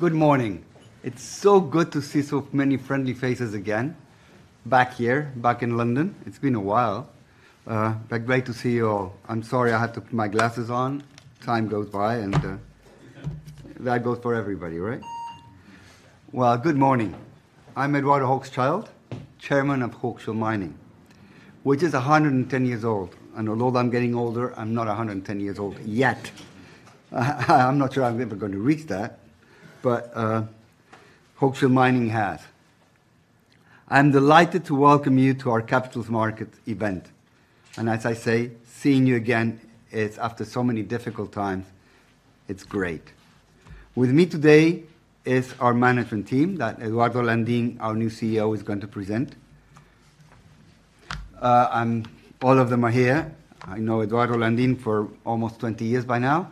Good morning. It's so good to see so many friendly faces again, back here, back in London. It's been a while. But great to see you all. I'm sorry I had to put my glasses on. Time goes by, and that goes for everybody, right? Well, good morning. I'm Eduardo Hochschild, Chairman of Hochschild Mining, which is 110 years old. And although I'm getting older, I'm not 110 years old yet. I'm not sure I'm ever going to reach that, but Hochschild Mining has. I'm delighted to welcome you to our capital markets event, and as I say, seeing you again, it's after so many difficult times, it's great. With me today is our management team, that Eduardo Landín, our new CEO, is going to present. And all of them are here. I know Eduardo Landín for almost 20 years by now.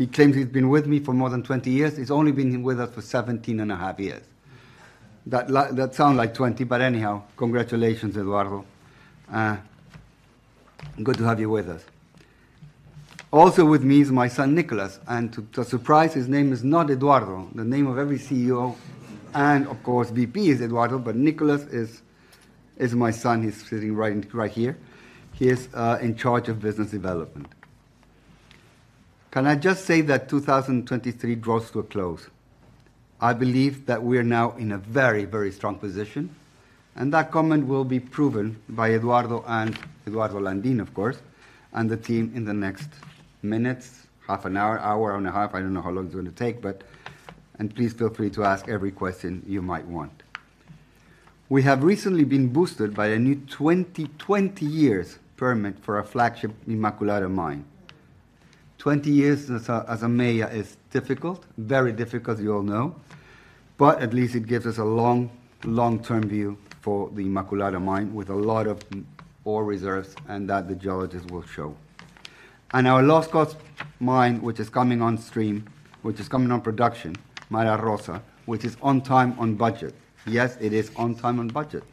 He claims he's been with me for more than 20 years. He's only been with us for 17.5 years. That that sound like 20, but anyhow, congratulations, Eduardo. Good to have you with us. Also with me is my son, Nicolas, and to surprise, his name is not Eduardo. The name of every CEO and of course, VP, is Eduardo, but Nicolas is my son. He's sitting right, right here. He is in charge of business development. Can I just say that 2023 draws to a close? I believe that we are now in a very, very strong position, and that comment will be proven by Eduardo and Eduardo Landín, of course, and the team in the next minutes, half an hour, hour-and-a-half. I don't know how long it's going to take, but... Please feel free to ask every question you might want. We have recently been boosted by a new 20-year permit for our flagship Inmaculada mine. 20 years as a miner is difficult, very difficult, you all know, but at least it gives us a long-term view for the Inmaculada mine, with a lot of ore reserves, and that the geologists will show. Our low-cost mine, which is coming on stream, which is coming on production, Mara Rosa, which is on time, on budget. Yes, it is on time, on budget.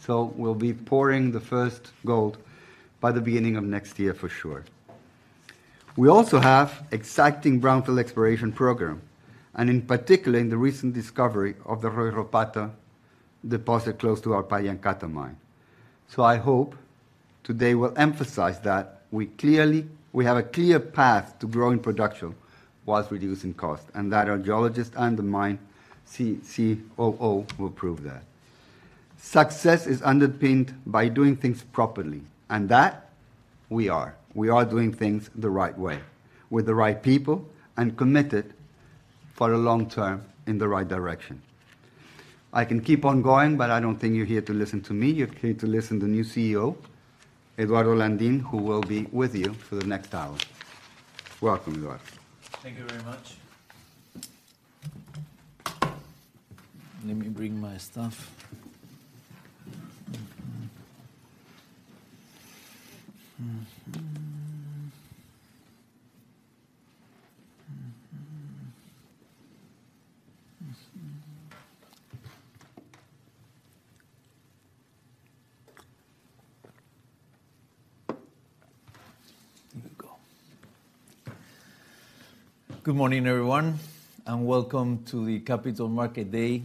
So we'll be pouring the first gold by the beginning of next year for sure. We also have exciting brownfield exploration program, and in particular, in the recent discovery of the Royropata deposit close to our Pallancata mine. So I hope today will emphasize that we clearly have a clear path to growing production while reducing cost, and that our geologist and the mine COO will prove that. Success is underpinned by doing things properly, and that we are. We are doing things the right way, with the right people, and committed for a long term in the right direction. I can keep on going, but I don't think you're here to listen to me. You're here to listen to the new CEO, Eduardo Landín, who will be with you for the next hour. Welcome, Eduardo. Thank you very much. Let me bring my stuff. Here we go. Good morning, everyone, and welcome to the Capital Market Day.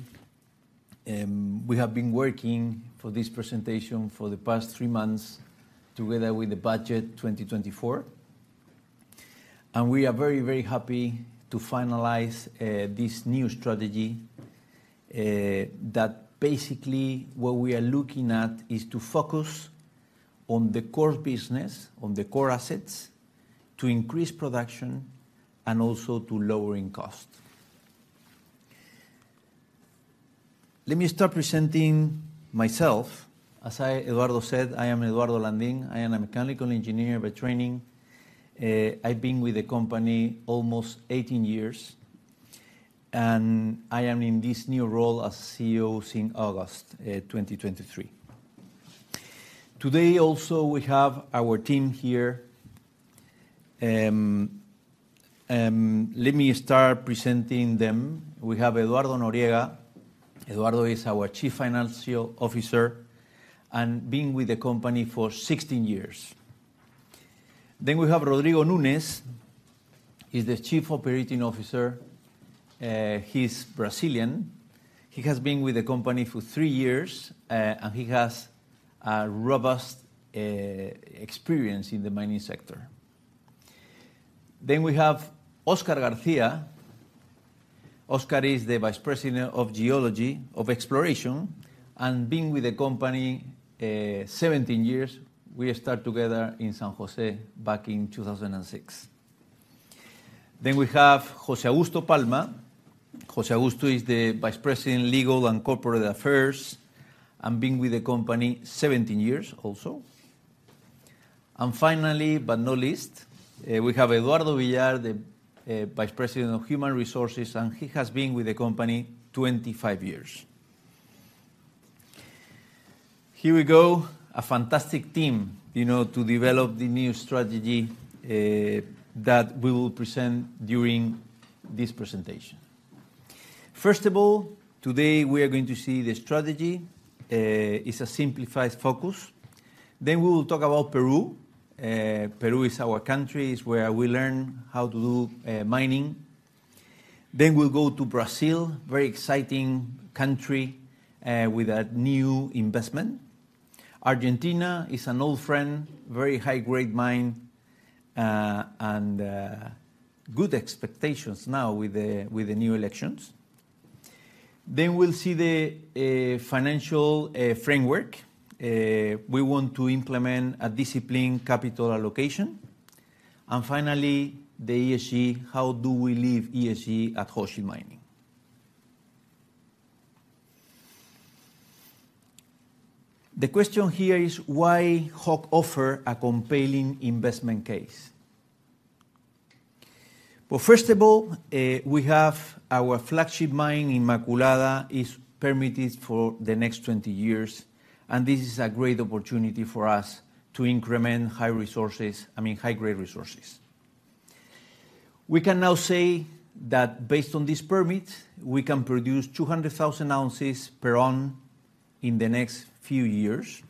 We have been working for this presentation for the past three months, together with the budget 2024, and we are very, very happy to finalize this new strategy. That basically what we are looking at is to focus on the core business, on the core assets, to increase production and also to lowering cost. Let me start presenting myself. As I, Eduardo said, I am Eduardo Landin. I am a mechanical engineer by training. I've been with the company almost 18 years, and I am in this new role as CEO since August 2023. Today also, we have our team here. Let me start presenting them. We have Eduardo Noriega. Eduardo is our Chief Financial Officer and been with the company for 16 years. Then we have Rodrigo Nunes. He's the Chief Operating Officer. He's Brazilian. He has been with the company for three years, and he has a robust experience in the mining sector. Then we have Oscar Garcia. Oscar is the Vice President of geology, of exploration, and been with the company 17 years. We start together in San Jose back in 2006. Then we have José Augusto Palma. José Augusto is the Vice President, legal and corporate affairs, and been with the company 17 years also. And finally, but not least, we have Eduardo Villar, the Vice President of Human Resources, and he has been with the company 25 years. Here we go, a fantastic team, you know, to develop the new strategy that we will present during this presentation. First of all, today we are going to see the strategy. It's a simplified focus. Then we will talk about Peru. Peru is our country, is where we learn how to do mining. Then we'll go to Brazil, very exciting country, with a new investment. Argentina is an old friend, very high-grade mine, and good expectations now with the new elections. Then we'll see the financial framework. We want to implement a disciplined capital allocation. And finally, the ESG. How do we live ESG at Hochschild Mining? The question here is: Why Hoch offer a compelling investment case? Well, first of all, we have our flagship mine, Inmaculada, is permitted for the next 20 years, and this is a great opportunity for us to increment high resources - I mean, high-grade resources. We can now say that based on this permit, we can produce 200,000 oz per annum in the next few years.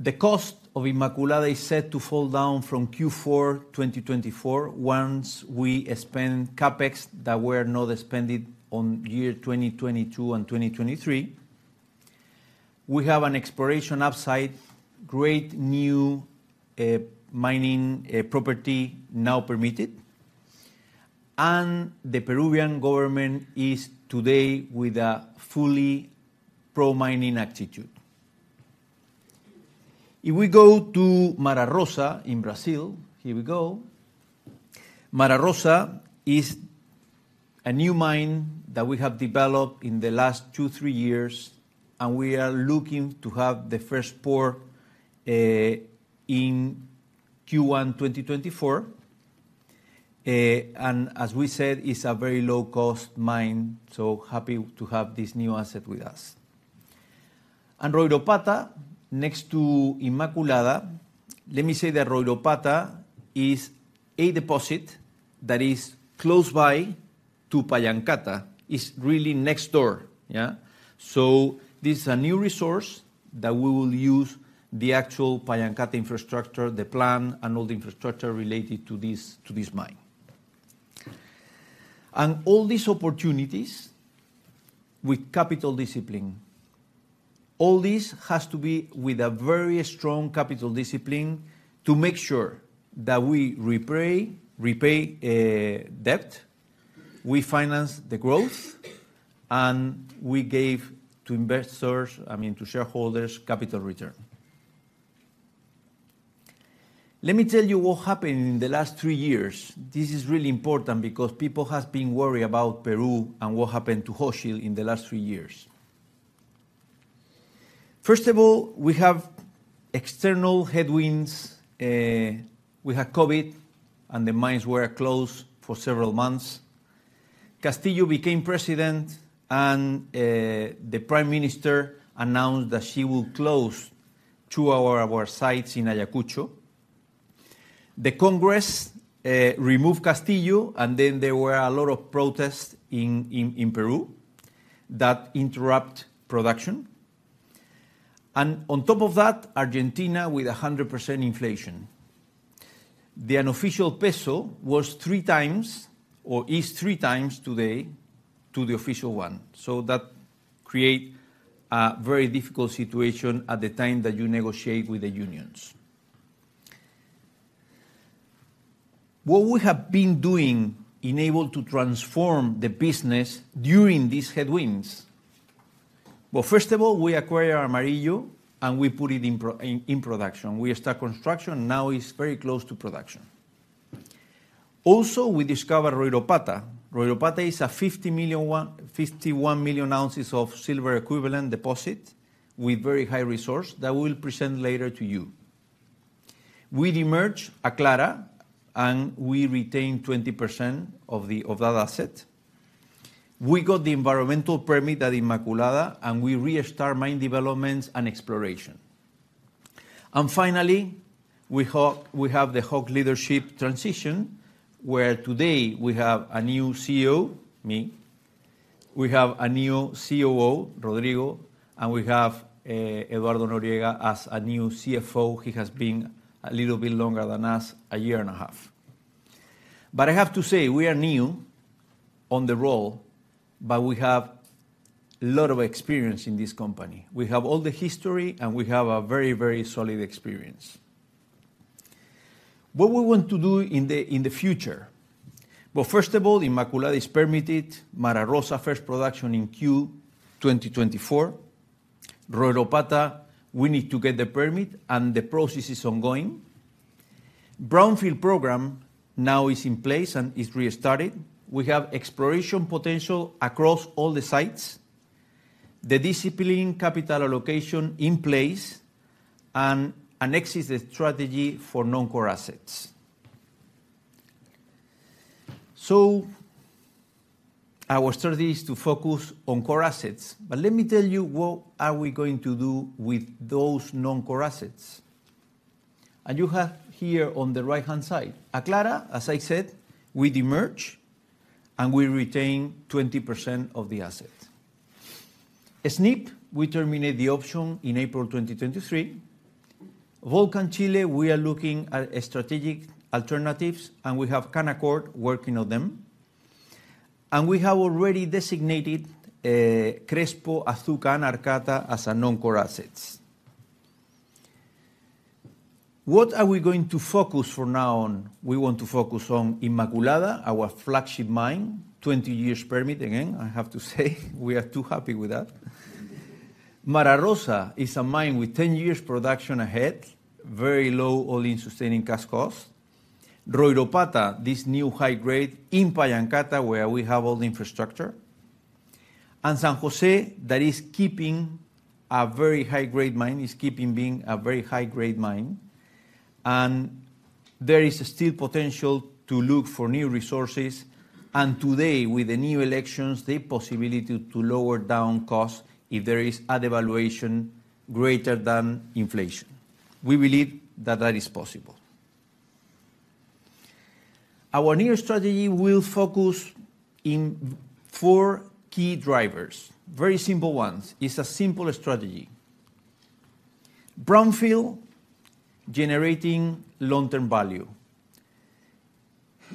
The cost of Inmaculada is set to fall down from Q4 2024 once we spend CapEx that were not spent on year 2022 and 2023. We have an exploration upside, great new mining property now permitted, and the Peruvian government is today with a fully pro-mining attitude. If we go to Mara Rosa in Brazil, here we go. Mara Rosa is a new mine that we have developed in the last two to three years, and we are looking to have the first pour in Q1 2024. And as we said, it's a very low-cost mine, so happy to have this new asset with us. And Royropata, next to Inmaculada, let me say that Royropata is a deposit that is close by to Pallancata. It's really next door, yeah? So this is a new resource that we will use the actual Pallancata infrastructure, the plant, and all the infrastructure related to this, to this mine. And all these opportunities with capital discipline. All this has to be with a very strong capital discipline to make sure that we repay debt, we finance the growth, and we gave to investors, I mean, to shareholders, capital return. Let me tell you what happened in the last three years. This is really important because people has been worried about Peru and what happened to Hochschild in the last three years. First of all, we have external headwinds. We had COVID, and the mines were closed for several months. Castillo became president, and the Prime Minister announced that she would close two of our sites in Ayacucho. The Congress removed Castillo, and then there were a lot of protests in Peru that interrupt production. On top of that, Argentina, with 100% inflation. The unofficial peso was three times, or is three times today, to the official one, so that create a very difficult situation at the time that you negotiate with the unions. What we have been doing enabled to transform the business during these headwinds. Well, first of all, we acquired Amarillo, and we put it in production. We start construction, now it's very close to production. Also, we discovered Royropata. Royropata is a 51 million oz of silver equivalent deposit with very high resource that we will present later to you. We demerge Aclara, and we retain 20% of that asset. We got the environmental permit at Inmaculada, and we restart mine developments and exploration. And finally, we have the Hochschild leadership transition, where today we have a new CEO, me, we have a new COO, Rodrigo, and we have, Eduardo Noriega as a new CFO. He has been a little bit longer than us, a year and a half. But I have to say, we are new on the role, but we have a lot of experience in this company. We have all the history, and we have a very, very solid experience. What we want to do in the future? Well, first of all, Inmaculada is permitted. Mara Rosa, first production in Q 2024. Royropata, we need to get the permit, and the process is ongoing. Brownfield program now is in place and is restarted. We have exploration potential across all the sites. The disciplined capital allocation in place and an exit strategy for non-core assets. So our strategy is to focus on core assets. But let me tell you, what are we going to do with those non-core assets? And you have here on the right-hand side, Aclara, as I said, we demerge, and we retain 20% of the assets. Snip, we terminate the option in April 2023. Volcan Chile, we are looking at strategic alternatives, and we have Canaccord working on them. And we have already designated, Crespo, Azuca, and Arcata as our non-core assets. What are we going to focus from now on? We want to focus on Inmaculada, our flagship mine, 20 years permit. Again, I have to say we are too happy with that. Mara Rosa is a mine with 10 years production ahead, very low all-in sustaining cash costs. Royropata, this new high-grade in Pallancata, where we have all the infrastructure. And San Jose, that is keeping a very high-grade mine, is keeping being a very high-grade mine. And there is still potential to look for new resources, and today, with the new elections, the possibility to lower down costs if there is a devaluation greater than inflation. We believe that that is possible. Our new strategy will focus in four key drivers, very simple ones. It's a simple strategy. Brownfield, generating long-term value,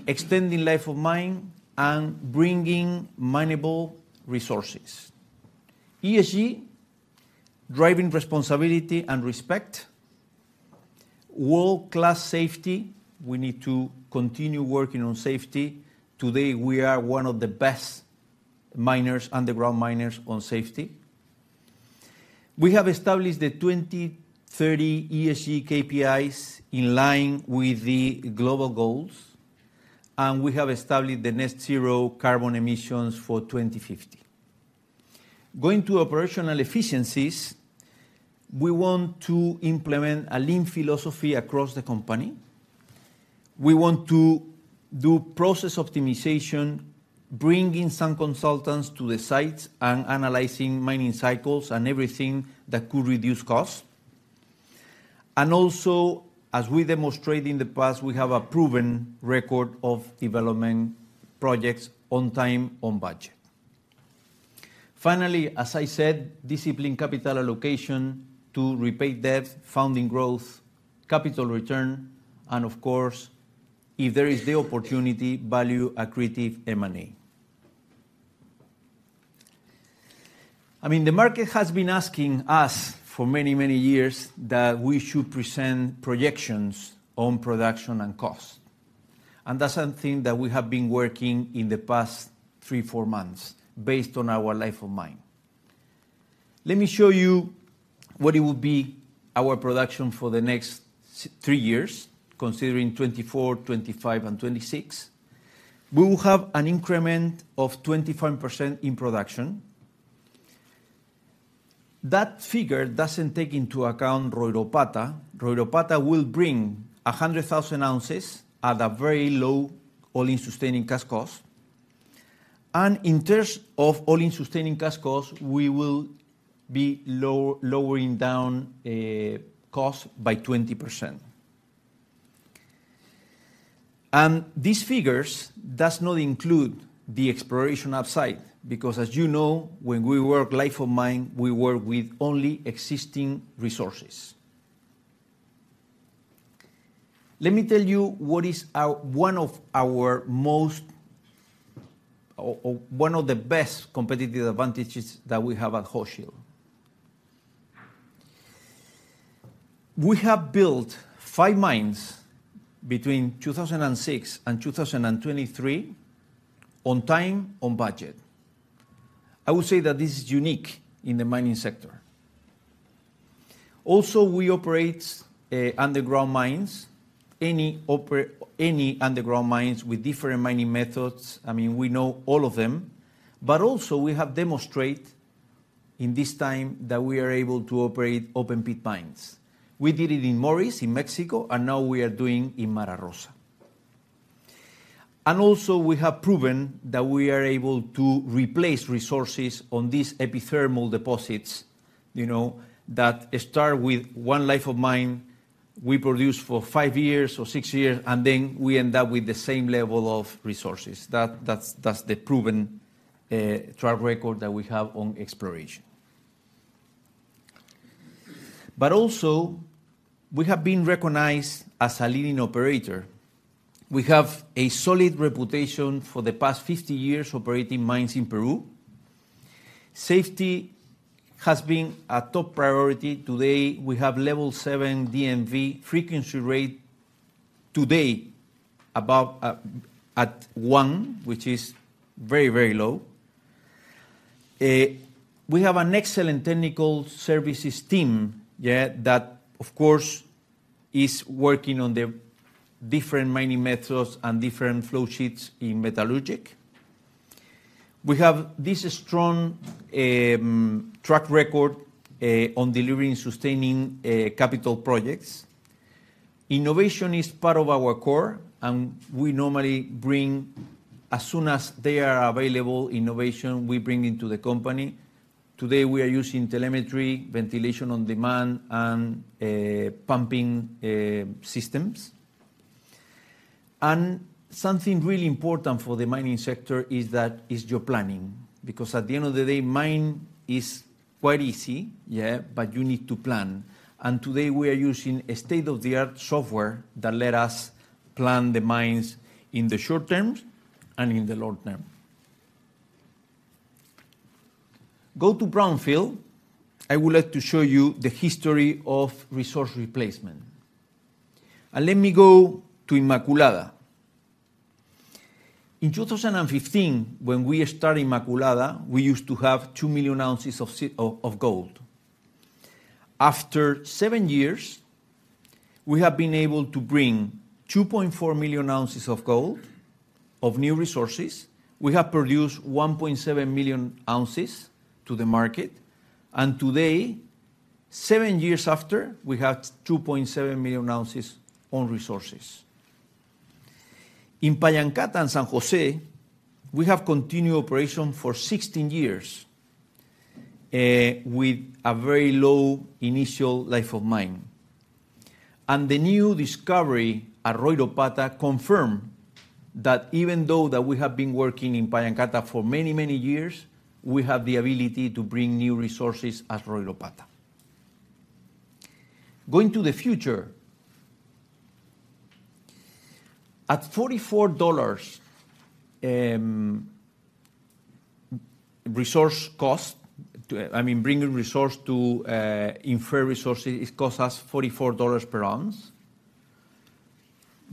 extending life of mine, and bringing minable resources. ESG, driving responsibility and respect. World-class safety, we need to continue working on safety. Today, we are one of the best miners, underground miners, on safety. We have established the 2030 ESG KPIs in line with the global goals, and we have established the net zero carbon emissions for 2050. Going to operational efficiencies, we want to implement a lean philosophy across the company. We want to do process optimization, bringing some consultants to the sites and analyzing mining cycles and everything that could reduce costs. And also, as we demonstrate in the past, we have a proven record of development projects on time, on budget. Finally, as I said, disciplined capital allocation to repay debt, funding growth, capital return, and of course, if there is the opportunity, value accretive M&A. I mean, the market has been asking us for many, many years that we should present projections on production and cost. That's something that we have been working in the past three to four months based on our life of mine. Let me show you what it will be, our production for the next three years, considering 2024, 2025, and 2026. We will have an increment of 25% in production. That figure doesn't take into account Royropata. Royropata will bring 100,000 oz at a very low all-in sustaining cash cost. And in terms of all-in sustaining cash costs, we will be lowering down cost by 20%. And these figures does not include the exploration upside, because, as you know, when we work life of mine, we work with only existing resources. Let me tell you what is our one of our most or one of the best competitive advantages that we have at Hochschild. We have built five mines between 2006 and 2023, on time, on budget. I would say that this is unique in the mining sector. Also, we operate underground mines, any underground mines with different mining methods. I mean, we know all of them. But also, we have demonstrate in this time that we are able to operate open-pit mines. We did it in Moris, in Mexico, and now we are doing in Mara Rosa. And also, we have proven that we are able to replace resources on these epithermal deposits, you know, that start with one life of mine. We produce for five years or six years, and then we end up with the same level of resources. That that's the proven track record that we have on exploration. But also, we have been recognized as a leading operator. We have a solid reputation for the past 50 years, operating mines in Peru. Safety has been a top priority. Today, we have Level 7 DNV frequency rate today about at 1, which is very, very low. We have an excellent technical services team, yeah, that of course is working on the different mining methods and different flow sheets in metallurgic. We have this strong track record on delivering sustaining capital projects. Innovation is part of our core, and we normally bring, as soon as they are available, innovation we bring into the company. Today, we are using telemetry, ventilation on demand, and pumping systems. Something really important for the mining sector is that your planning, because at the end of the day, mine is quite easy, yeah, but you need to plan. Today, we are using a state-of-the-art software that let us plan the mines in the short terms and in the long term. Go to Brownfield. I would like to show you the history of resource replacement. Let me go to Inmaculada. In 2015, when we start Inmaculada, we used to have 2 million oz of gold. After seven years, we have been able to bring 2.4 million oz of gold of new resources. We have produced 1.7 million oz to the market, and today, seven years after, we have 2.7 million oz on resources. In Pallancata and San Jose, we have continued operation for 16 years with a very low initial life of mine. The new discovery at Royropata confirmed that even though that we have been working in Pallancata for many, many years, we have the ability to bring new resources at Royropata. Going to the future... At $44 resource cost, I mean, bringing resource to infer resources, it costs us $44 per oz.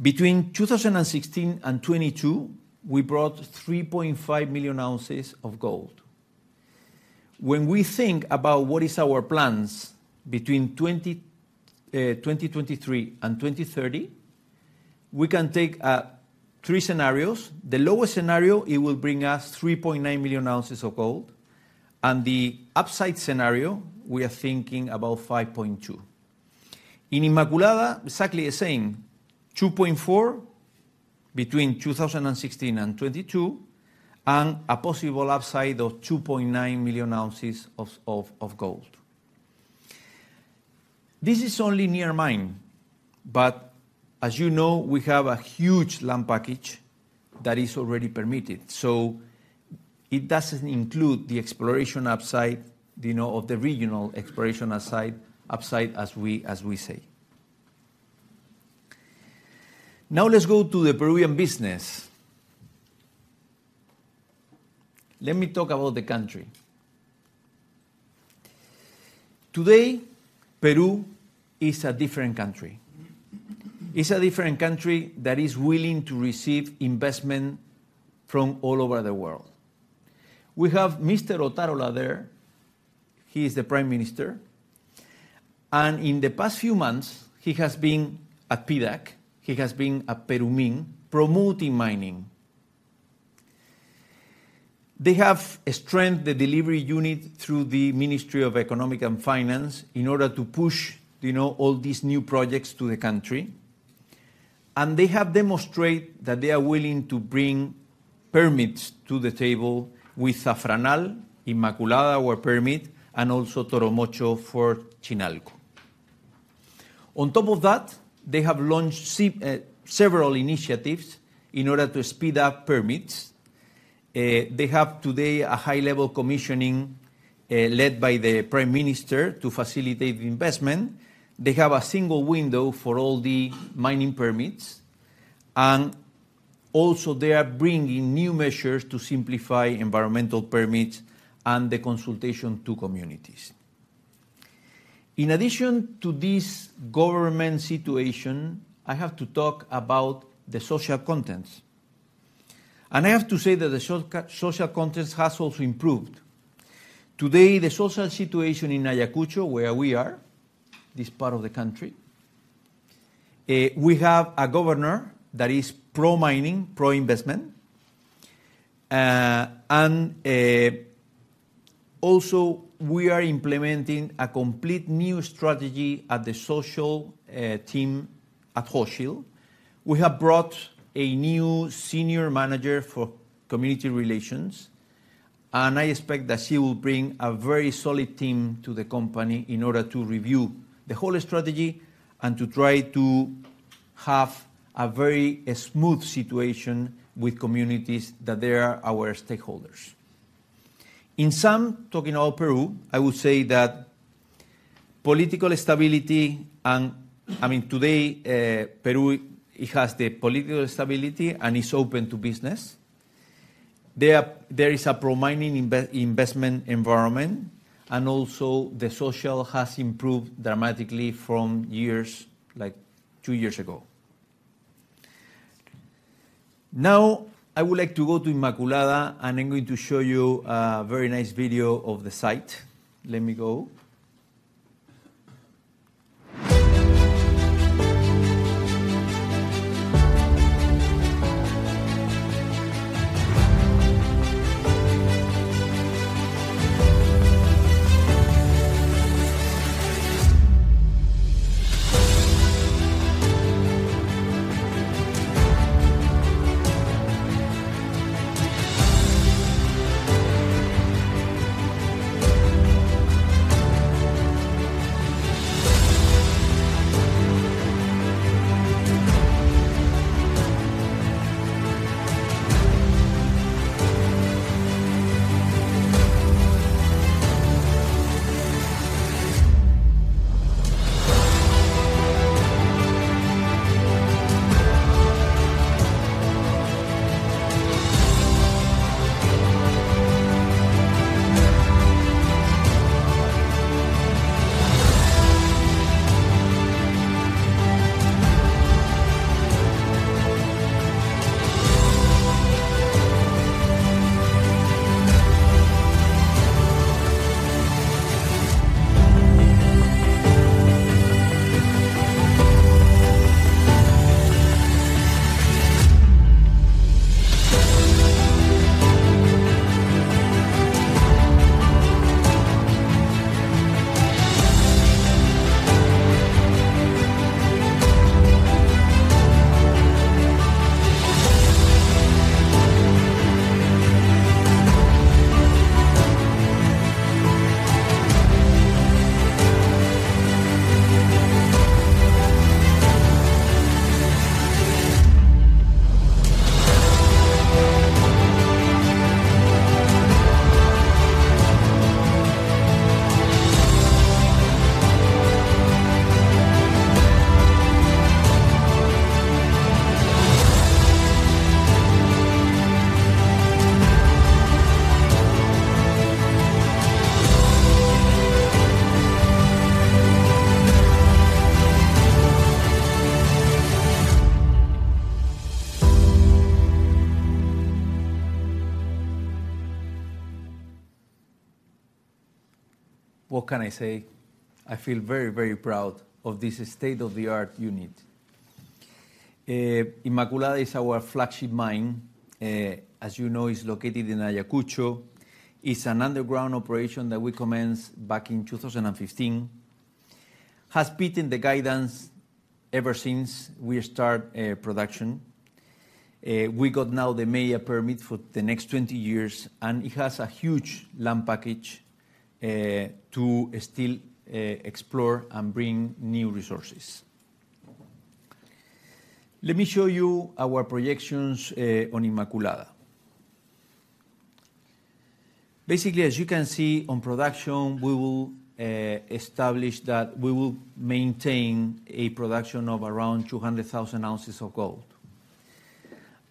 Between 2016 and 2022, we brought 3.5 million oz of gold. When we think about what is our plans between, 2023 and 2030, we can take three scenarios. The lowest scenario, it will bring us 3.9 million oz of gold, and the upside scenario, we are thinking about 5.2. In Inmaculada, exactly the same, 2.4 between 2016 and 2022, and a possible upside of 2.9 million oz of gold. This is only near mine, but as you know, we have a huge land package that is already permitted, so it doesn't include the exploration upside, you know, of the regional exploration upside, as we say. Now, let's go to the Peruvian business. Let me talk about the country. Today, Peru is a different country. It's a different country that is willing to receive investment from all over the world. We have Mr. Otárola there. He is the Prime Minister, and in the past few months, he has been at PDAC, he has been at Perumin, promoting mining. They have strengthened the delivery unit through the Ministry of Economic and Finance in order to push, you know, all these new projects to the country. They have demonstrated that they are willing to bring permits to the table with Zafranal, Inmaculada, our permit, and also Toromocho for Chinalco. On top of that, they have launched several initiatives in order to speed up permits. They have today a high-level commission led by the Prime Minister to facilitate investment. They have a single window for all the mining permits, and also they are bringing new measures to simplify environmental permits and the consultation to communities. In addition to this government situation, I have to talk about the social context. I have to say that the social context has also improved. Today, the social situation in Ayacucho, where we are, this part of the country, we have a governor that is pro-mining, pro-investment. And also, we are implementing a complete new strategy at the social team at Hochschild. We have brought a new senior manager for community relations, and I expect that she will bring a very solid team to the company in order to review the whole strategy and to try to have a very smooth situation with communities that they are our stakeholders. In sum, talking about Peru, I would say that political stability and I mean, today, Peru, it has the political stability, and it's open to business. There is a pro-mining investment environment, and also the social has improved dramatically from years, like two years ago. Now, I would like to go to Inmaculada, and I'm going to show you a very nice video of the site. Let me go. What can I say? I feel very, very proud of this state-of-the-art unit. Inmaculada is our flagship mine. As you know, it's located in Ayacucho. It's an underground operation that we commenced back in 2015. Has beaten the guidance ever since we start production. We got now the MEIA permit for the next 20 years, and it has a huge land package to still explore and bring new resources. Let me show you our projections on Inmaculada. Basically, as you can see on production, we will establish that we will maintain a production of around 200,000 oz of gold.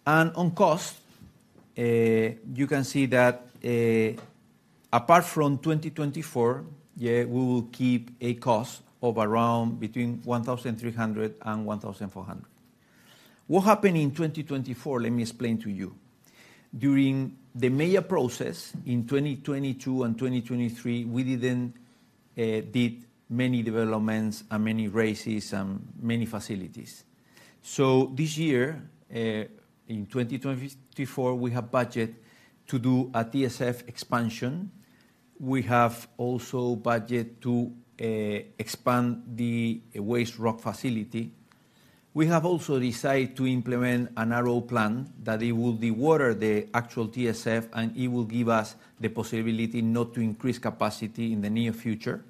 On cost, you can see that, apart from 2024, we will keep a cost of around between $1,300 and $1,400. What happened in 2024, let me explain to you. During the MEIA process in 2022 and 2023, we didn't did many developments and many raises and many facilities. So this year, in 2024, we have budget to do a TSF expansion. We have also budget to expand the waste rock facility. We have also decided to implement a narrow plan, that it will dewater the actual TSF, and it will give us the possibility not to increase capacity in the near future,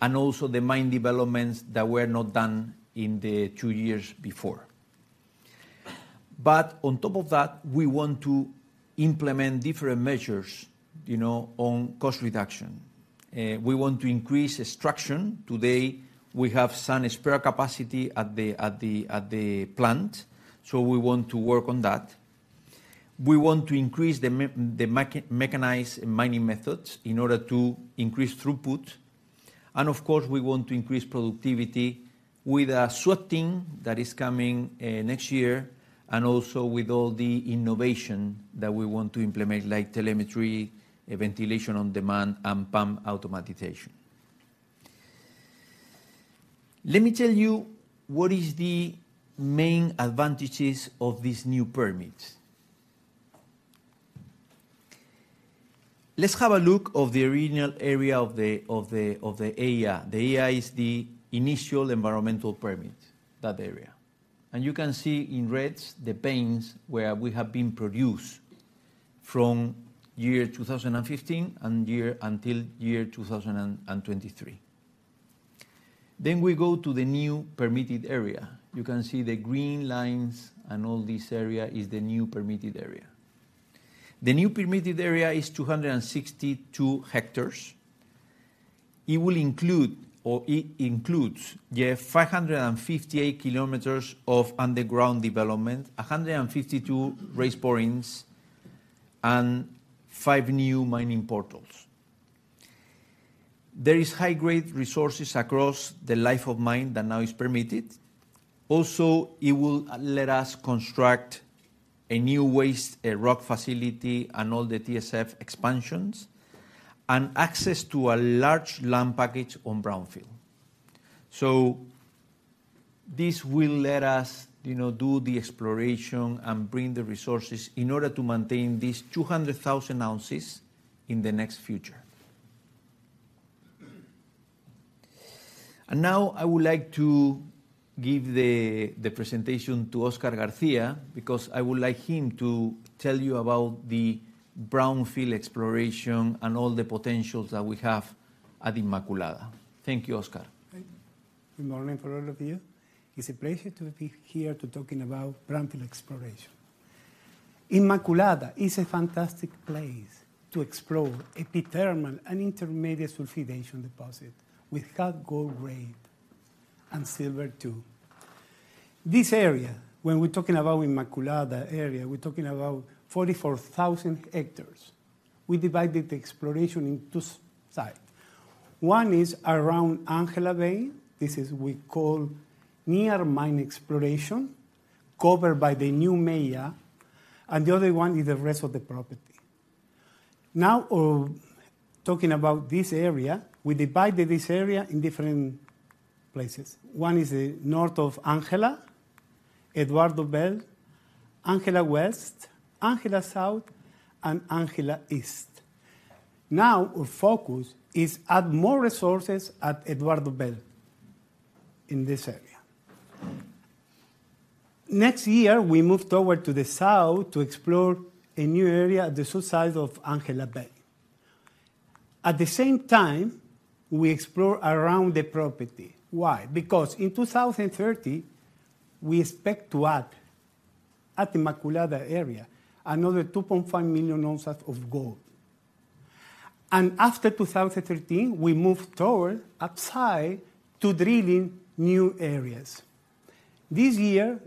and also the mine developments that were not done in the two years before. But on top of that, we want to implement different measures, you know, on cost reduction. We want to increase extraction. Today, we have some spare capacity at the plant, so we want to work on that. We want to increase the mechanized mining methods in order to increase throughput. And of course, we want to increase productivity with a sorting that is coming next year and also with all the innovation that we want to implement, like telemetry, ventilation on demand, and pump automation. Let me tell you, what is the main advantages of these new permits. Let's have a look at the original area of the EIA. The EIA is the initial environmental permit, that area. You can see in red, the veins where we have been produced from year 2015 until year 2023. Then we go to the new permitted area. You can see the green lines, and all this area is the new permitted area. The new permitted area is 262 hectares. It will include, or it includes, yeah, 558 km of underground development, 152 raise borings, and 5 new mining portals. There is high-grade resources across the life of mine that now is permitted. Also, it will let us construct a new waste rock facility, and all the TSF expansions, and access to a large land package on brownfield. So this will let us, you know, do the exploration and bring the resources in order to maintain these 200,000 oz in the next future.... Now I would like to give the presentation to Oscar Garcia, because I would like him to tell you about the brownfield exploration and all the potentials that we have at Inmaculada. Thank you, Oscar. Good morning for all of you. It's a pleasure to be here to talking about brownfield exploration. Inmaculada is a fantastic place to explore epithermal and intermediate sulfidation deposit with high gold grade and silver, too. This area, when we're talking about Inmaculada area, we're talking about 44,000 hectares. We divided the exploration into two sides. One is around Angela vein. This is we call near mine exploration, covered by the new MEIA, and the other one is the rest of the property. Now, talking about this area, we divided this area in different places. One is the north of Angela, Eduardo Belt, Angela West, Angela South, and Angela East. Now, our focus is add more resources at Eduardo Belt, in this area. Next year, we move toward to the south to explore a new area at the south side of Angela Belt. At the same time, we explore around the property. Why? Because in 2030, we expect to add, at Inmaculada area, another 2.5 million oz of gold. And after 2013, we move toward upside to drilling new areas. This year,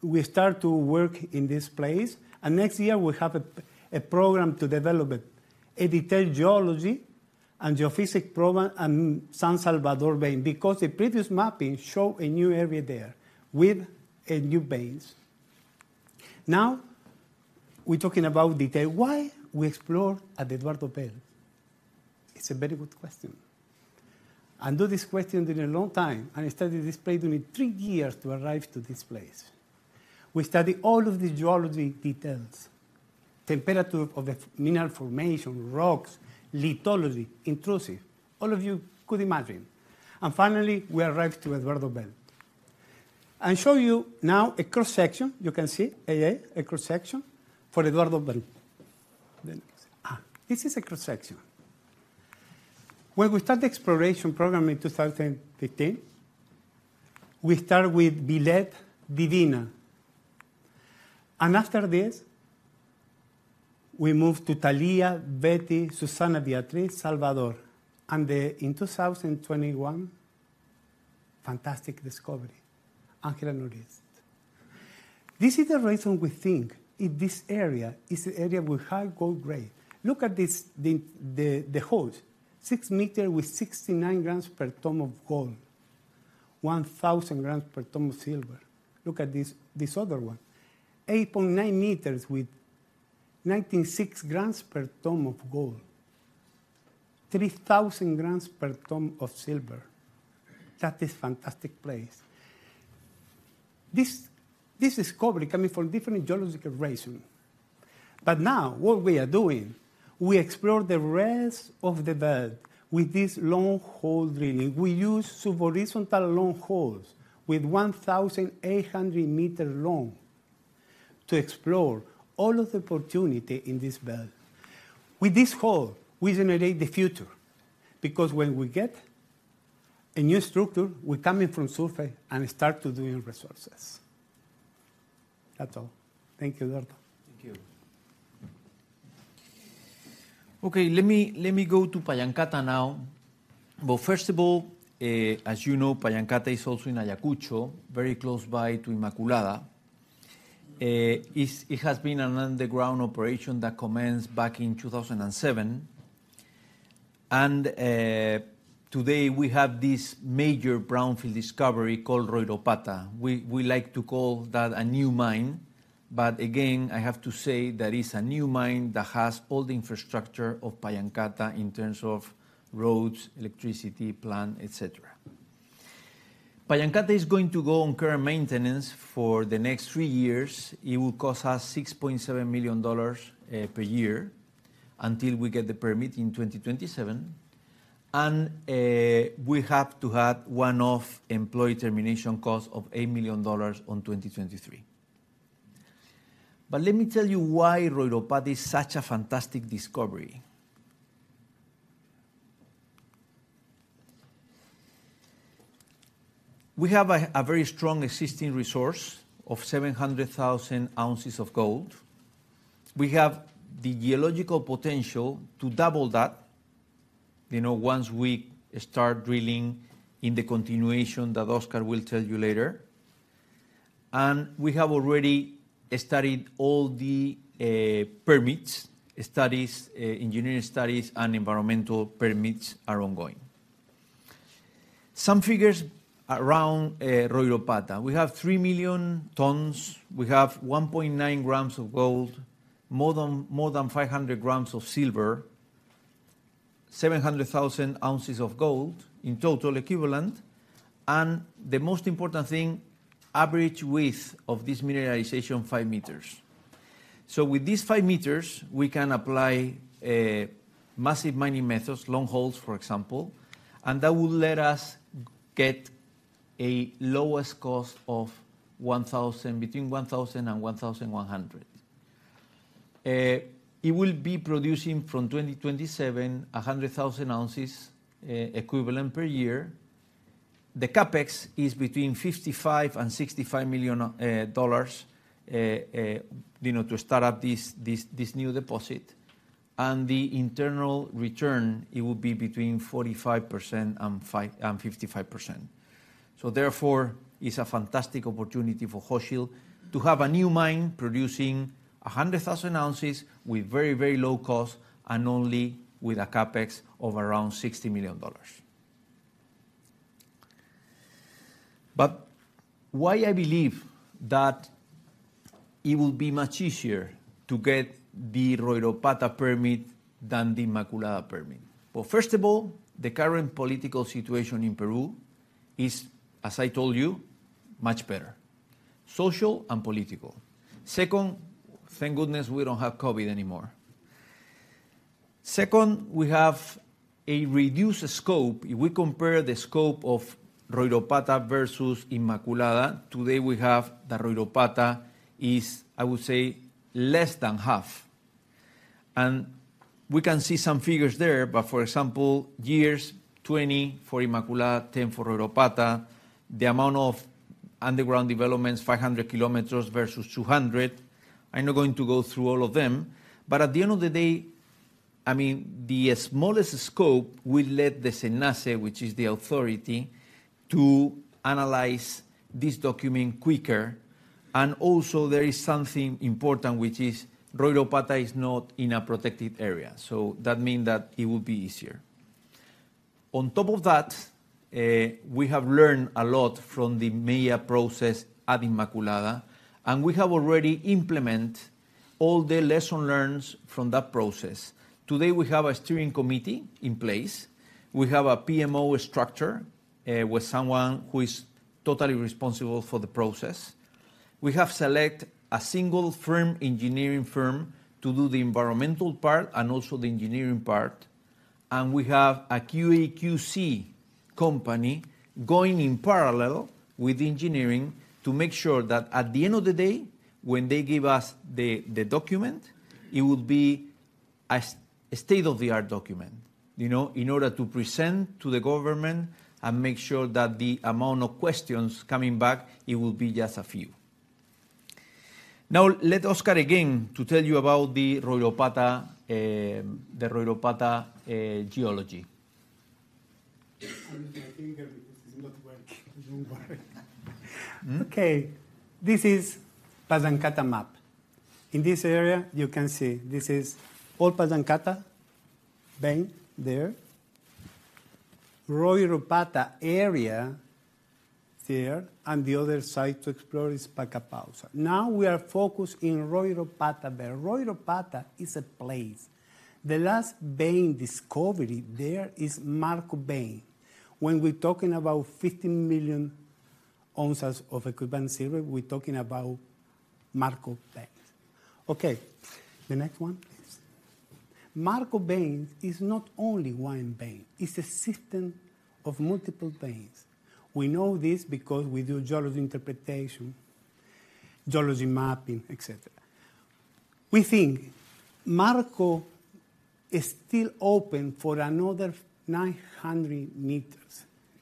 we start to work in this place, and next year we have a program to develop a detailed geology and geophysics program and San Salvador vein, because the previous mapping show a new area there with new veins. Now, we're talking about detail. Why we explore at Eduardo Belt? It's a very good question. I do this question in a long time, and I studied this place only three years to arrive to this place. We study all of the geology details, temperature of the mineral formation, rocks, lithology, intrusive, all of you could imagine. And finally, we arrived to Eduardo Belt. I show you now a cross-section. You can see, AA, a cross-section for Eduardo Belt. Then this is a cross-section. When we start the exploration program in 2015, we start with Vilet, Divina. And after this, we moved to Talia, Betty, Susana, Beatriz, Salvador, and in 2021, fantastic discovery, Angela Northeast. This is the reason we think if this area is an area with high gold grade. Look at this, the holes, 6 m with 69 g per ton of gold, 1,000 g per ton of silver. Look at this, this other one, 8.9 m with 96 g per ton of gold, 3,000 g per ton of silver. That is fantastic place. This discovery coming from different geological reason. But now, what we are doing, we explore the rest of the belt with this long-hole drilling. We use super horizontal long holes with 1,800 m long to explore all of the opportunity in this belt. With this hole, we generate the future, because when we get a new structure, we're coming from surface and start to doing resources. That's all. Thank you, Eduardo. Thank you. Okay, let me, let me go to Pallancata now. But first of all, as you know, Pallancata is also in Ayacucho, very close by to Inmaculada. It has been an underground operation that commenced back in 2007, and today we have this major brownfield discovery called Royropata. We, we like to call that a new mine, but again, I have to say that it's a new mine that has all the infrastructure of Pallancata in terms of roads, electricity, plant, et cetera. Pallancata is going to go on care and maintenance for the next three years. It will cost us $6.7 million per year until we get the permit in 2027, and we have to add one-off employee termination cost of $8 million on 2023. But let me tell you why Royropata is such a fantastic discovery. We have a very strong existing resource of 700,000 oz of gold. We have the geological potential to double that, you know, once we start drilling in the continuation that Oscar will tell you later. And we have already studied all the permits, studies, engineering studies, and environmental permits are ongoing. Some figures around Royropata. We have 3 million tons, we have 1.9 g of gold, more than 500 g of silver, 700,000 oz of gold in total equivalent, and the most important thing, average width of this mineralization, 5 m. So with these 5 m, we can apply massive mining methods, long holes, for example, and that will let us get a lowest cost of $1,000-$1,100. It will be producing from 2027, 100,000 oz equivalent per year. The CapEx is between $55 million-$65 million, you know, to start up this, this, this new deposit. And the internal return, it will be between 45% and 55%. So therefore, it's a fantastic opportunity for Hochschild to have a new mine producing 100,000 oz with very, very low cost and only with a CapEx of around $60 million. But why I believe that it will be much easier to get the Royropata permit than the Inmaculada permit? Well, first of all, the current political situation in Peru is, as I told you, much better: social and political. Second, thank goodness we don't have COVID anymore. Second, we have a reduced scope. If we compare the scope of Royropata versus Inmaculada, today we have the Royropata is, I would say, less than half. And we can see some figures there, but for example, years, 20 for Inmaculada, 10 for Royropata. The amount of underground developments, 500 km versus 200 km. I'm not going to go through all of them, but at the end of the day, I mean, the smallest scope will let the SENACE, which is the authority, to analyze this document quicker. And also, there is something important, which is Royropata is not in a protected area. So that mean that it will be easier. On top of that, we have learned a lot from the MEIA process at Inmaculada, and we have already implement all the lesson learns from that process. Today, we have a steering committee in place. We have a PMO structure, with someone who is totally responsible for the process. We have select a single firm, engineering firm, to do the environmental part and also the engineering part. And we have a QAQC company going in parallel with engineering to make sure that at the end of the day, when they give us the document, it will be a state-of-the-art document, you know, in order to present to the government and make sure that the amount of questions coming back, it will be just a few. Now, let Oscar again to tell you about the Royropata, the Royropata geology. I need my finger because it's not working. Okay, this is Pallancata map. In this area, you can see this is all Pallancata vein there, Royropata area there, and the other side to explore is Pacapausa. Now, we are focused in Royropata there. Royropata is a place. The last vein discovery there is Marco vein. When we're talking about 15 million oz of equivalent silver, we're talking about Marco veins. Okay, the next one, please. Marco veins is not only one vein. It's a system of multiple veins. We know this because we do geology interpretation, geology mapping, et cetera. We think Marco is still open for another 900 m.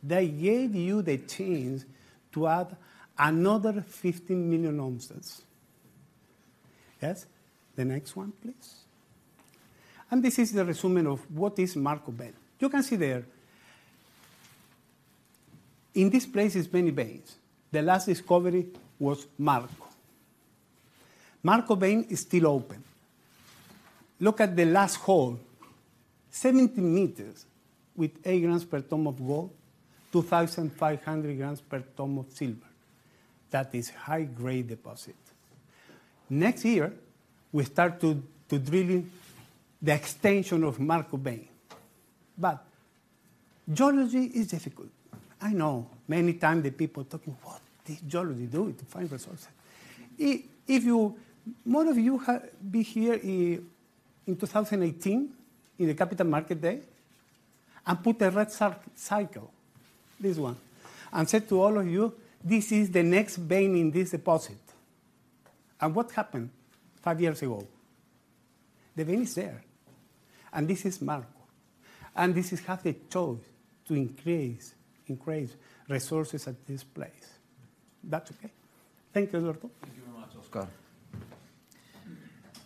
That gave you the chance to add another 15 million oz. Yes. The next one, please. This is the résumé of what is Marco vein. You can see there, in this place is many veins. The last discovery was Marco. Marco vein is still open. Look at the last hole, 70 m with 8 g per ton of gold, 2,500 g per ton of silver. That is high-grade deposit. Next year, we start to drilling the extension of Marco vein. But geology is difficult. I know many time the people talking, "What these geology do to find resources?" If you... One of you have been here in 2018, in the capital market day, I put a red circle, this one, and said to all of you, "This is the next vein in this deposit." And what happened five years ago? The vein is there, and this is Marco. And this is have a choice to increase, increase resources at this place. That's okay. Thank you, Eduardo. Thank you very much, Oscar.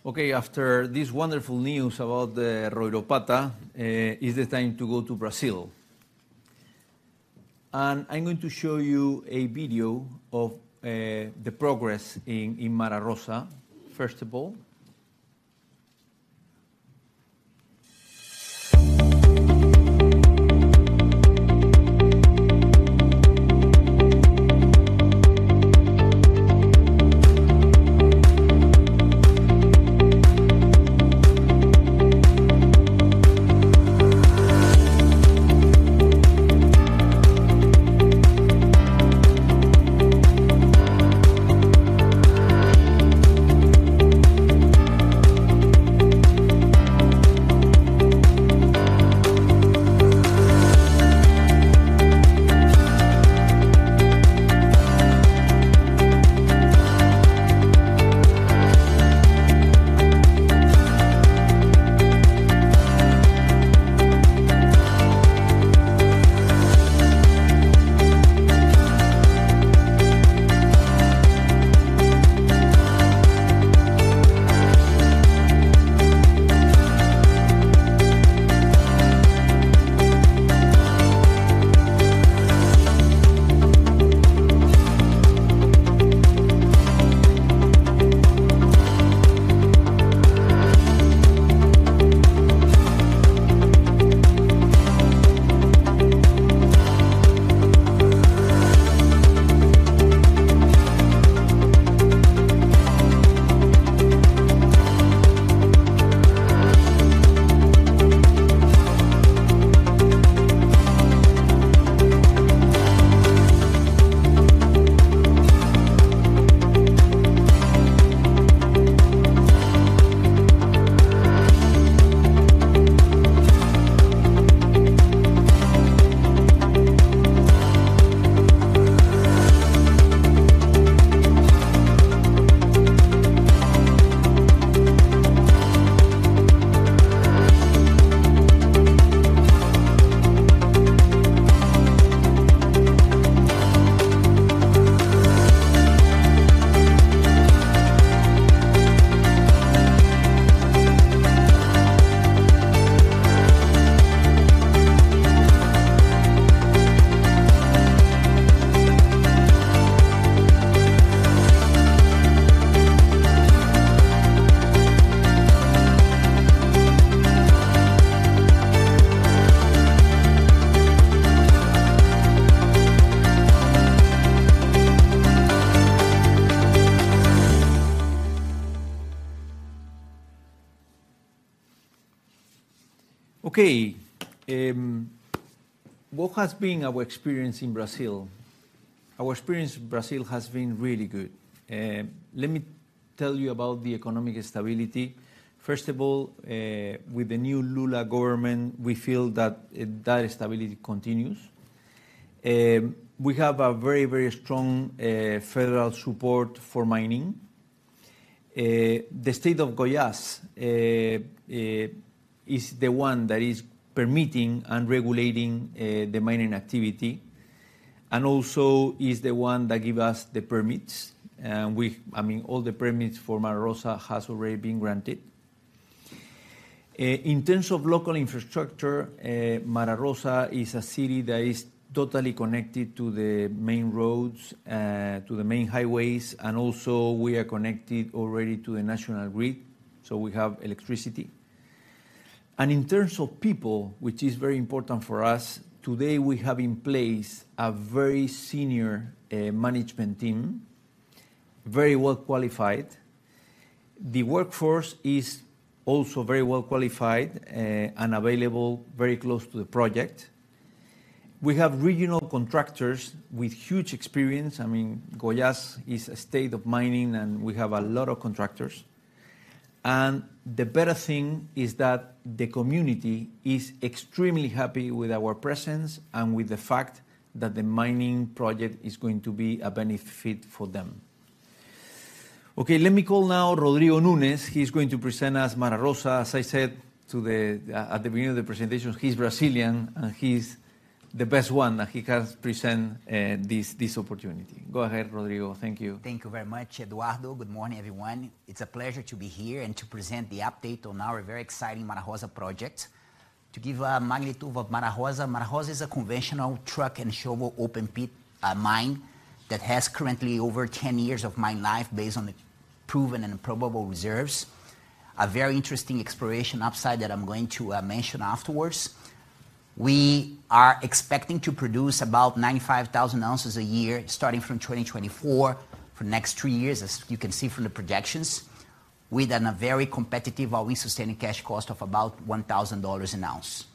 Okay, after this wonderful news about the Royropata, is the time to go to Brazil. And I'm going to show you a video of the progress in Mara Rosa, first of all. Okay, what has been our experience in Brazil? Our experience in Brazil has been really good. Let me tell you about the economic stability. First of all, with the new Lula government, we feel that that stability continues. We have a very, very strong federal support for mining. The state of Goiás is the one that is permitting and regulating the mining activity, and also is the one that give us the permits. And we—I mean, all the permits for Mara Rosa has already been granted. In terms of local infrastructure, Mara Rosa is a city that is totally connected to the main roads, to the main highways, and also we are connected already to the national grid, so we have electricity. And in terms of people, which is very important for us, today we have in place a very senior management team, very well qualified. The workforce is also very well qualified, and available very close to the project. We have regional contractors with huge experience. I mean, Goiás is a state of mining, and we have a lot of contractors. And the better thing is that the community is extremely happy with our presence and with the fact that the mining project is going to be a benefit for them. Okay, let me call now Rodrigo Nunes. He's going to present us Mara Rosa. As I said to the... At the beginning of the presentation, he's Brazilian, and he's the best one that he can present this opportunity. Go ahead, Rodrigo. Thank you. Thank you very much, Eduardo. Good morning, everyone. It's a pleasure to be here and to present the update on our very exciting Mara Rosa project. To give a magnitude of Mara Rosa, Mara Rosa is a conventional truck and shovel open-pit mine that has currently over 10 years of mine life based on the proven and probable reserves. A very interesting exploration upside that I'm going to mention afterwards. We are expecting to produce about 95,000 oz a year, starting from 2024 for next three years, as you can see from the projections, with a very competitive all-in sustaining cash cost of about $1,000 an oz.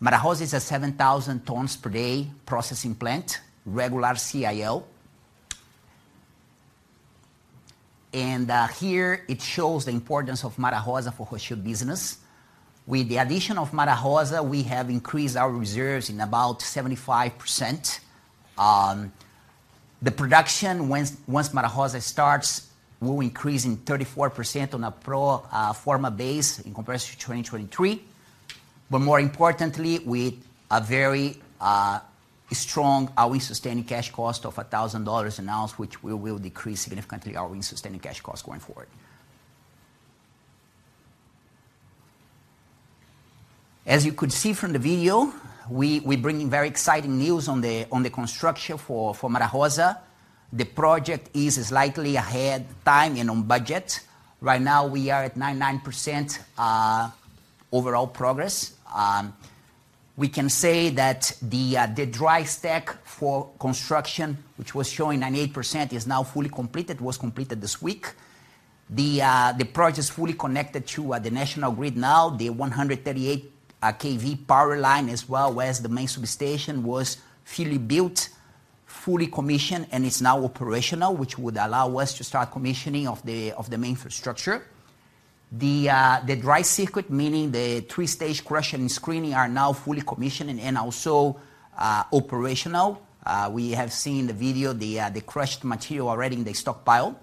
Mara Rosa is a 7,000 tons per day processing plant, regular CIL. Here it shows the importance of Mara Rosa for Hochschild business. With the addition of Mara Rosa, we have increased our reserves in about 75%. The production, once Mara Rosa starts, will increase in 34% on a pro forma basis in comparison to 2023. But more importantly, with a very strong all-in sustaining cash cost of $1,000 an oz, which we will decrease significantly our all-in sustaining cash cost going forward. As you could see from the video, we're bringing very exciting news on the construction for Mara Rosa. The project is slightly ahead of time and on budget. Right now, we are at 99% overall progress. We can say that the dry stack for construction, which was showing 98%, is now fully completed; it was completed this week. The project is fully connected to the national grid now. The 138 kV power line, as well as the main substation, was fully built, fully commissioned, and is now operational, which would allow us to start commissioning of the main infrastructure. The dry circuit, meaning the three-stage crushing and screening, are now fully commissioned and also operational. We have seen the video, the crushed material already in the stockpile.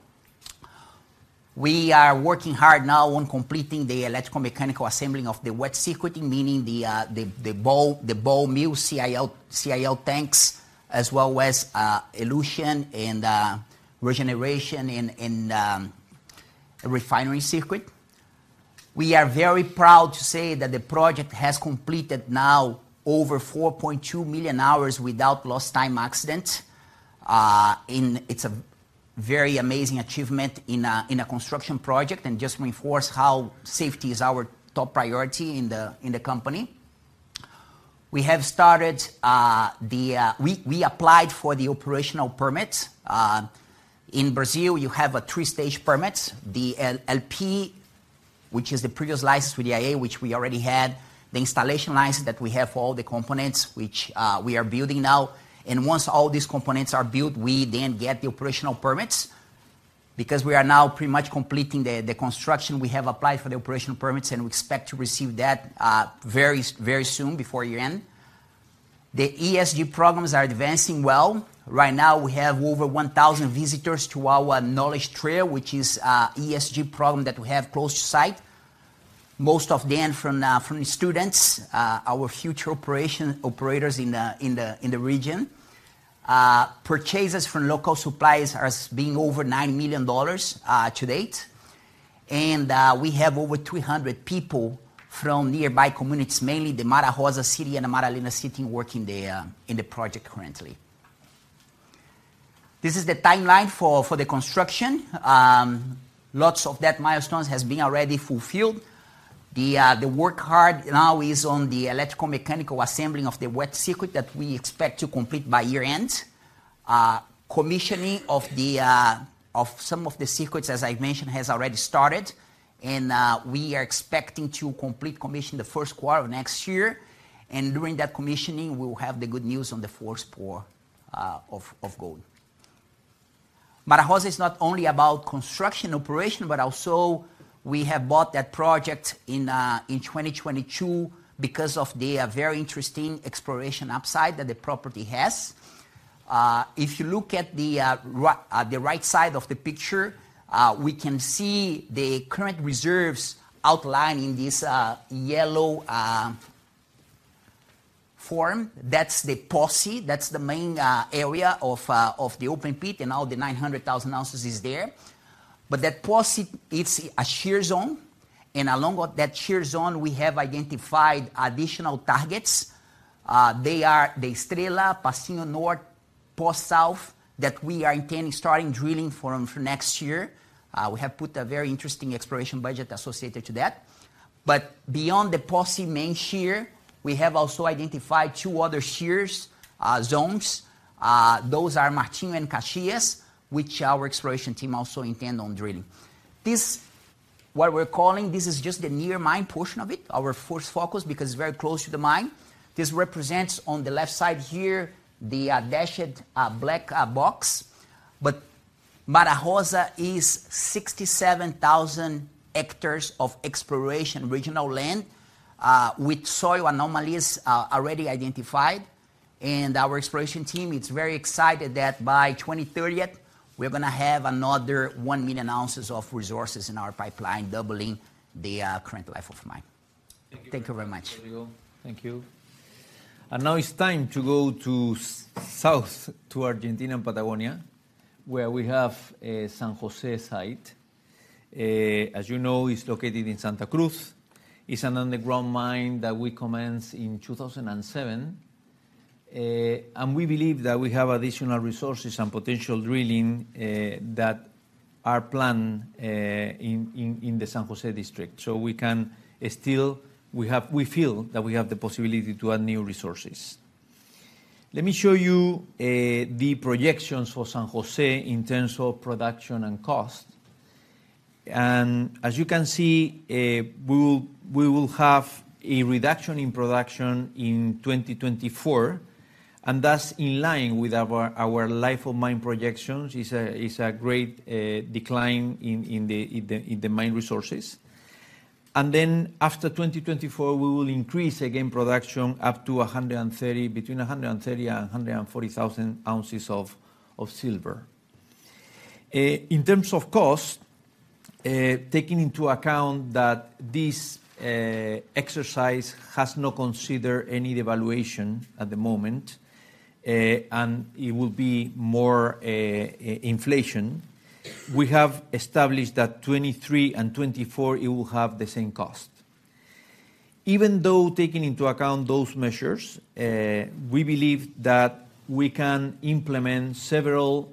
We are working hard now on completing the electrical mechanical assembling of the wet circuiting, meaning the ball mill CIL tanks, as well as elution and regeneration in refinery circuit. We are very proud to say that the project has completed now over 4.2 million hours without lost time accident. And it's a very amazing achievement in a construction project, and just reinforce how safety is our top priority in the company. We applied for the operational permits. In Brazil, you have a three-stage permits. The LP, which is the previous license to the IA, which we already had, the installation license that we have for all the components, which we are building now. And once all these components are built, we then get the operational permits. Because we are now pretty much completing the construction, we have applied for the operational permits, and we expect to receive that very, very soon, before year-end. The ESG programs are advancing well. Right now, we have over 1,000 visitors to our Knowledge Trail, which is an ESG program that we have close to site. Most of them from the students, our future operators in the region. Purchases from local suppliers has been over $9 million to date. We have over 300 people from nearby communities, mainly the Marajoara City and the Amaralina City, working there, in the project currently. This is the timeline for the construction. Lots of that milestones has been already fulfilled. The work hard now is on the electrical mechanical assembling of the wet circuit that we expect to complete by year-end. Commissioning of some of the circuits, as I've mentioned, has already started, and we are expecting to complete commission the first quarter of next year, and during that commissioning, we will have the good news on the first pour of gold. Mara Rosa is not only about construction operation, but also we have bought that project in 2022 because of the very interesting exploration upside that the property has. If you look at the right side of the picture, we can see the current reserves outlined in this yellow form. That's the Posse. That's the main area of the open pit, and all the 900,000 oz is there. But that Posse, it's a shear zone, and along with that shear zone, we have identified additional targets. They are the Estrela, Pastinho North, Posse South, that we are intending starting drilling for them for next year. We have put a very interesting exploration budget associated to that. But beyond the Posse main shear, we have also identified two other shear zones. Those are Martinho and Caxias, which our exploration team also intend on drilling. This, what we're calling, this is just the near mine portion of it, our first focus, because it's very close to the mine. This represents, on the left side here, the dashed black box. But Mara Rosa is 67,000 hectares of exploration regional land with soil anomalies already identified. And our exploration team is very excited that by 2030, we're gonna have another 1 million oz of resources in our pipeline, doubling the current life of mine. Thank you very much. Thank you. Now it's time to go to south, to Argentina and Patagonia, where we have a San Jose site. As you know, it's located in Santa Cruz. It's an underground mine that we commenced in 2007, and we believe that we have additional resources and potential drilling that are planned in the San Jose district. So we can still. We feel that we have the possibility to add new resources. Let me show you the projections for San Jose in terms of production and cost. And as you can see, we will have a reduction in production in 2024, and that's in line with our life of mine projections. It's a great decline in the mine resources. And then, after 2024, we will increase again production up to 130- between 130,000 and 140,000 oz of silver. In terms of cost, taking into account that this exercise has not considered any devaluation at the moment, and it will be more inflation, we have established that 2023 and 2024, it will have the same cost. Even though taking into account those measures, we believe that we can implement several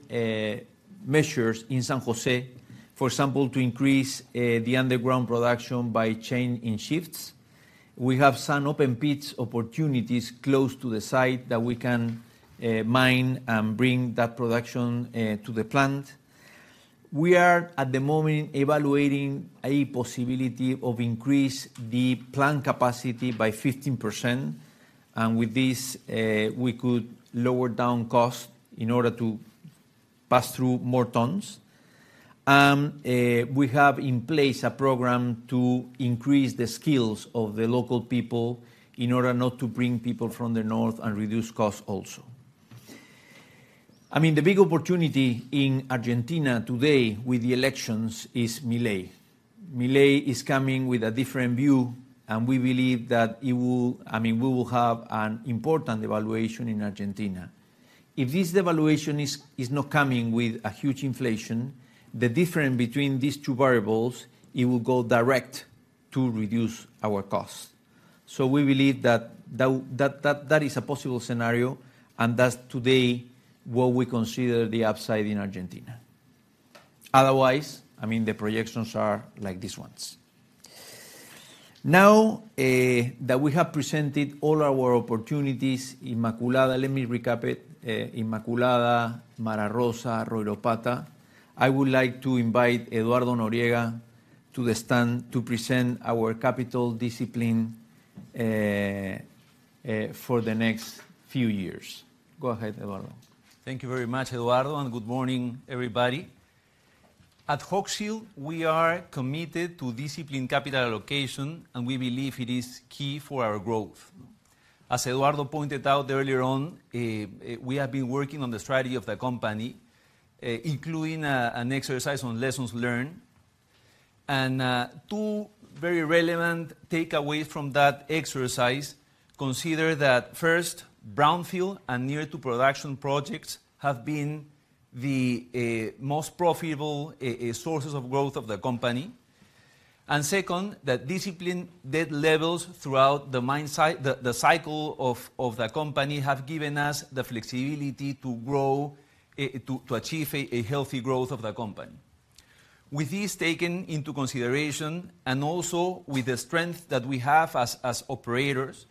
measures in San Jose, for example, to increase the underground production by change in shifts. We have some open pits opportunities close to the site that we can mine and bring that production to the plant. We are, at the moment, evaluating a possibility of increase the plant capacity by 15%, and with this, we could lower down costs in order to pass through more tons. We have in place a program to increase the skills of the local people in order not to bring people from the north and reduce costs also. I mean, the big opportunity in Argentina today with the elections is Milei. Milei is coming with a different view, and we believe that it will—I mean, we will have an important evaluation in Argentina. If this devaluation is not coming with a huge inflation, the difference between these two variables, it will go direct to reduce our costs. So we believe that that is a possible scenario, and that's today what we consider the upside in Argentina. Otherwise, I mean, the projections are like these ones. Now that we have presented all our opportunities, Inmaculada, let me recap it. Inmaculada, Mara Rosa, Royropata. I would like to invite Eduardo Noriega to the stand to present our capital discipline for the next few years. Go ahead, Eduardo. Thank you very much, Eduardo, and good morning, everybody. At Hochschild, we are committed to disciplined capital allocation, and we believe it is key for our growth. As Eduardo pointed out earlier on, we have been working on the strategy of the company, including an exercise on lessons learned. Two very relevant takeaways from that exercise consider that, first, brownfield and near-to-production projects have been the most profitable sources of growth of the company. And second, that disciplined debt levels throughout the mine cycle of the company have given us the flexibility to grow, to achieve a healthy growth of the company. With this taken into consideration, and also with the strength that we have as operators,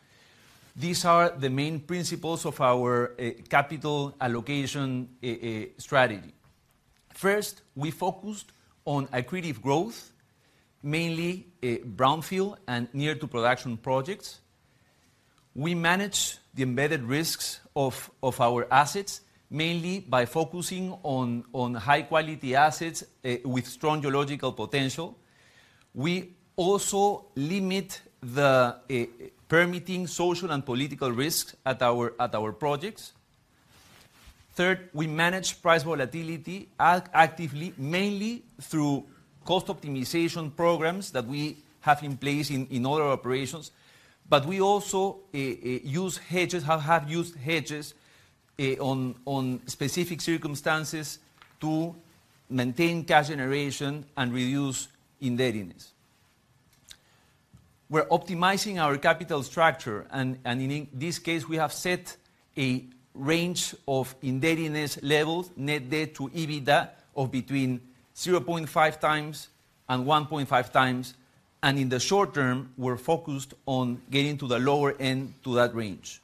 these are the main principles of our capital allocation strategy. First, we focused on accretive growth, mainly, brownfield and near-to-production projects. We manage the embedded risks of, of our assets, mainly by focusing on, on high-quality assets, with strong geological potential. We also limit the, permitting social and political risks at our, at our projects. Third, we manage price volatility actively, mainly through cost optimization programs that we have in place in, in all our operations. But we also, use hedges, have had used hedges, on specific circumstances to maintain cash generation and reduce indebtedness. We're optimizing our capital structure, and, and in this case, we have set a range of indebtedness levels, Net debt-to-EBITDA, of between 0.5x and 1.5x, and in the short term, we're focused on getting to the lower end to that range.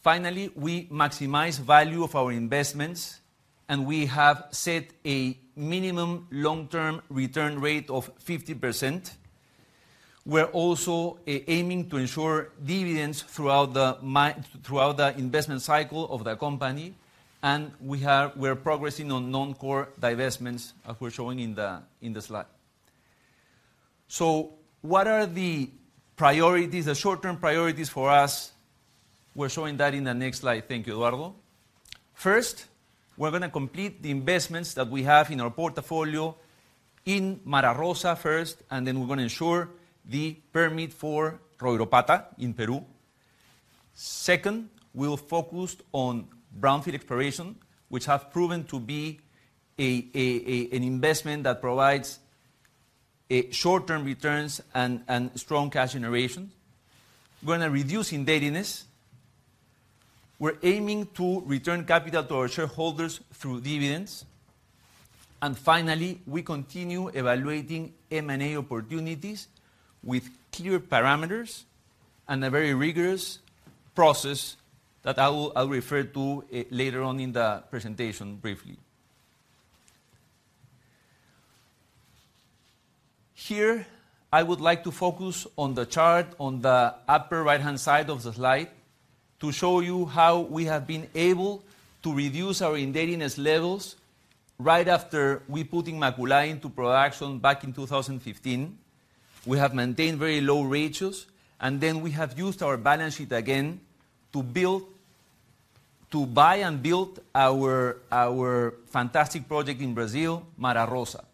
Finally, we maximize value of our investments, and we have set a minimum long-term return rate of 50%. We're also aiming to ensure dividends throughout the investment cycle of the company, and we're progressing on non-core divestments, as we're showing in the slide. So what are the priorities, the short-term priorities for us? We're showing that in the next slide. Thank you, Eduardo. First, we're going to complete the investments that we have in our portfolio in Mara Rosa first, and then we're going to ensure the permit for Royropata in Peru. Second, we'll focus on brownfield exploration, which have proven to be an investment that provides short-term returns and strong cash generation. We're going to reduce indebtedness. We're aiming to return capital to our shareholders through dividends. And finally, we continue evaluating M&A opportunities with clear parameters and a very rigorous process that I will, I will refer to later on in the presentation briefly. Here, I would like to focus on the chart on the upper right-hand side of the slide to show you how we have been able to reduce our indebtedness levels right after we put Inmaculada into production back in 2015. We have maintained very low ratios, and then we have used our balance sheet again to buy and build our fantastic project in Brazil, Mara Rosa.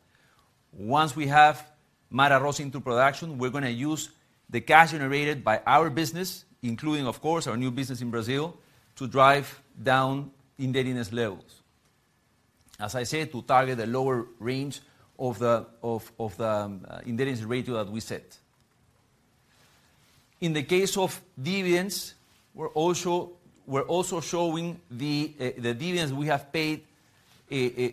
Once we have Mara Rosa into production, we're going to use the cash generated by our business, including, of course, our new business in Brazil, to drive down indebtedness levels. As I said, to target the lower range of the indebtedness ratio that we set. In the case of dividends, we're also showing the dividends we have paid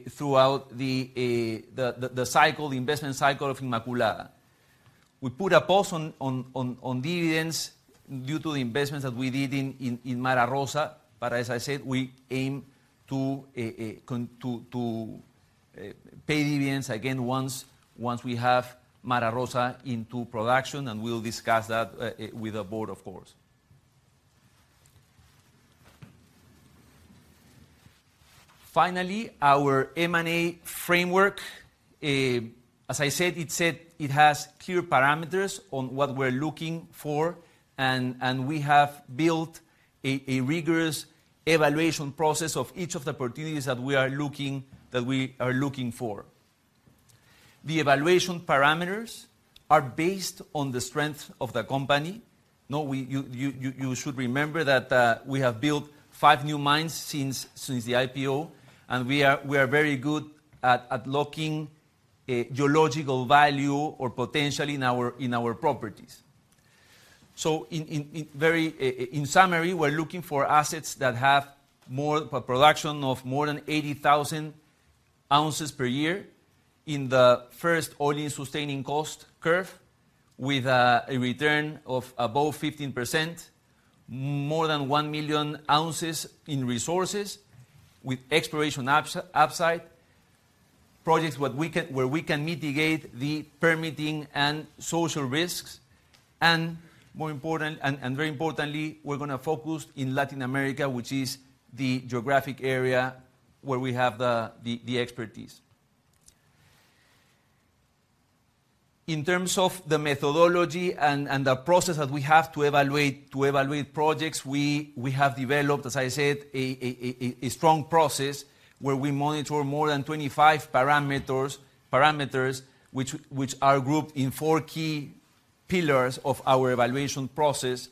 throughout the investment cycle of Inmaculada. We put a pause on dividends due to the investments that we did in Mara Rosa, but as I said, we aim to continue to pay dividends again once we have Mara Rosa into production, and we'll discuss that with the board, of course. Finally, our M&A framework, as I said, it has clear parameters on what we're looking for, and we have built a rigorous evaluation process of each of the opportunities that we are looking for. The evaluation parameters are based on the strength of the company. Now, you should remember that we have built five new mines since the IPO, and we are very good at locking a geological value or potential in our properties. So in summary, we're looking for assets that have more production of more than 80,000 oz per year in the first all-in sustaining cost curve with a return of above 15%, more than 1 million oz in resources with exploration upside, projects where we can mitigate the permitting and social risks. And more importantly, we're gonna focus in Latin America, which is the geographic area where we have the expertise. In terms of the methodology and the process that we have to evaluate projects, we have developed, as I said, a strong process where we monitor more than 25 parameters, which are grouped in four key pillars of our evaluation process,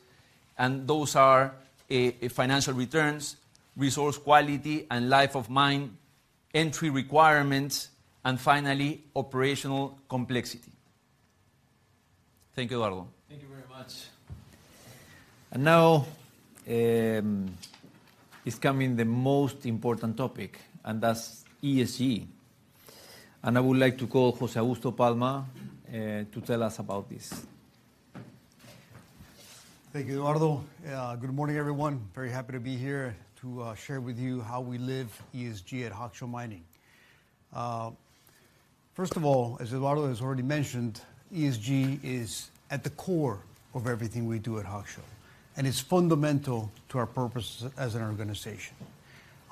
and those are financial returns, resource quality and life of mine, entry requirements, and finally, operational complexity. Thank you, Eduardo. Thank you very much. Now, is coming the most important topic, and that's ESG. I would like to call José Augusto Palma to tell us about this. Thank you, Eduardo. Good morning, everyone. Very happy to be here to share with you how we live ESG at Hochschild Mining. First of all, as Eduardo has already mentioned, ESG is at the core of everything we do at Hochschild, and it's fundamental to our purpose as an organization.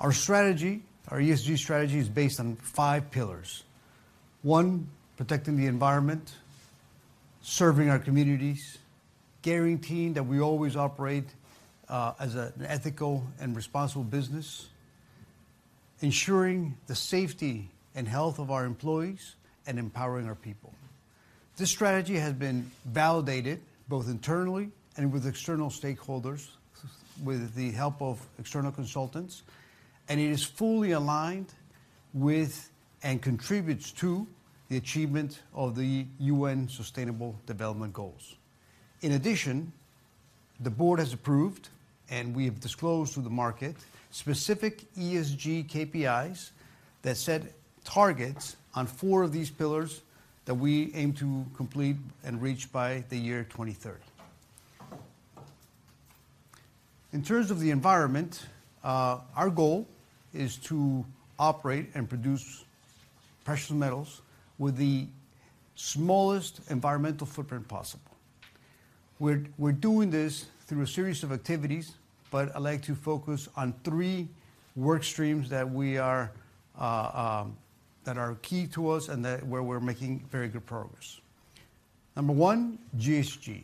Our strategy, our ESG strategy, is based on five pillars. One, protecting the environment. Serving our communities. Guaranteeing that we always operate as an ethical and responsible business. Ensuring the safety and health of our employees. And empowering our people. This strategy has been validated both internally and with external stakeholders, with the help of external consultants, and it is fully aligned with and contributes to the achievement of the U.N. Sustainable Development Goals. In addition, the board has approved, and we have disclosed to the market, specific ESG KPIs that set targets on four of these pillars that we aim to complete and reach by 2030. In terms of the environment, our goal is to operate and produce precious metals with the smallest environmental footprint possible. We're doing this through a series of activities, but I'd like to focus on three work streams that are key to us and that where we're making very good progress. Number one, GHG.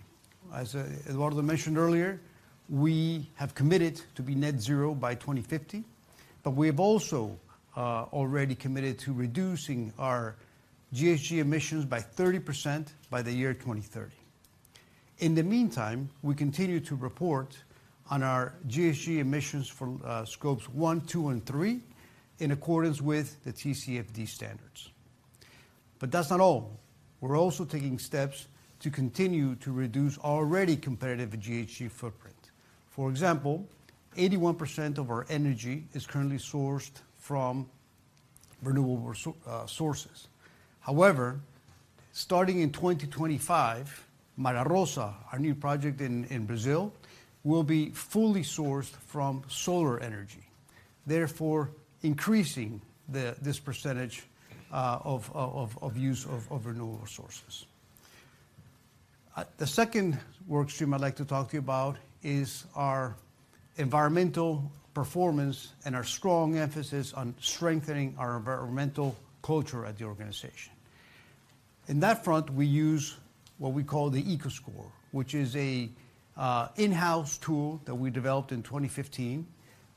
As Eduardo mentioned earlier, we have committed to be net zero by 2050, but we have also already committed to reducing our GHG emissions by 30% by 2030. In the meantime, we continue to report on our GHG emissions from scopes one, two, and three in accordance with the TCFD standards. But that's not all. We're also taking steps to continue to reduce our already competitive GHG footprint. For example, 81% of our energy is currently sourced from renewable sources. However, starting in 2025, Mara Rosa, our new project in Brazil, will be fully sourced from solar energy, therefore increasing this percentage of use of renewable sources. The second work stream I'd like to talk to you about is our environmental performance and our strong emphasis on strengthening our environmental culture at the organization. In that front, we use what we call the EcoScore, which is a in-house tool that we developed in 2015,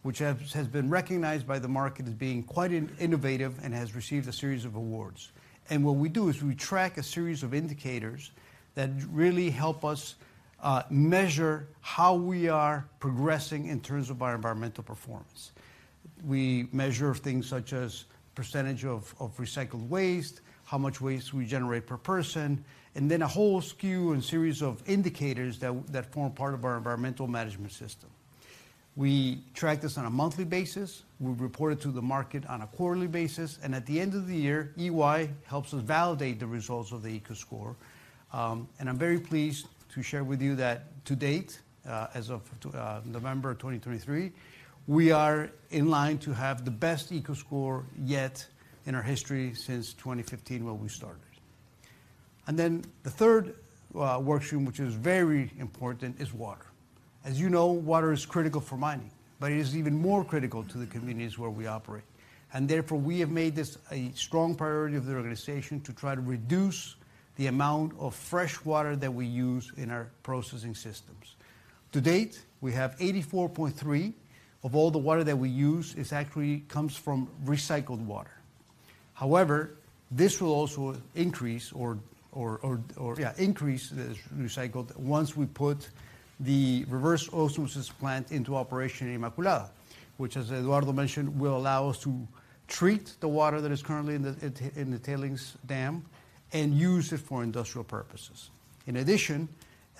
which has been recognized by the market as being quite innovative and has received a series of awards. And what we do is we track a series of indicators that really help us measure how we are progressing in terms of our environmental performance. We measure things such as percentage of recycled waste, how much waste we generate per person, and then a whole suite and series of indicators that form part of our environmental management system. We track this on a monthly basis, we report it to the market on a quarterly basis, and at the end of the year, EY helps us validate the results of the EcoScore. I'm very pleased to share with you that to date, as of November 2023, we are in line to have the best EcoScore yet in our history since 2015 when we started. And then the third work stream, which is very important, is water. As you know, water is critical for mining, but it is even more critical to the communities where we operate. And therefore, we have made this a strong priority of the organization to try to reduce the amount of fresh water that we use in our processing systems. To date, we have 84.3% of all the water that we use is actually comes from recycled water. However, this will also increase the recycled once we put the reverse osmosis plant into operation in Inmaculada, which, as Eduardo mentioned, will allow us to treat the water that is currently in the tailings dam and use it for industrial purposes. In addition,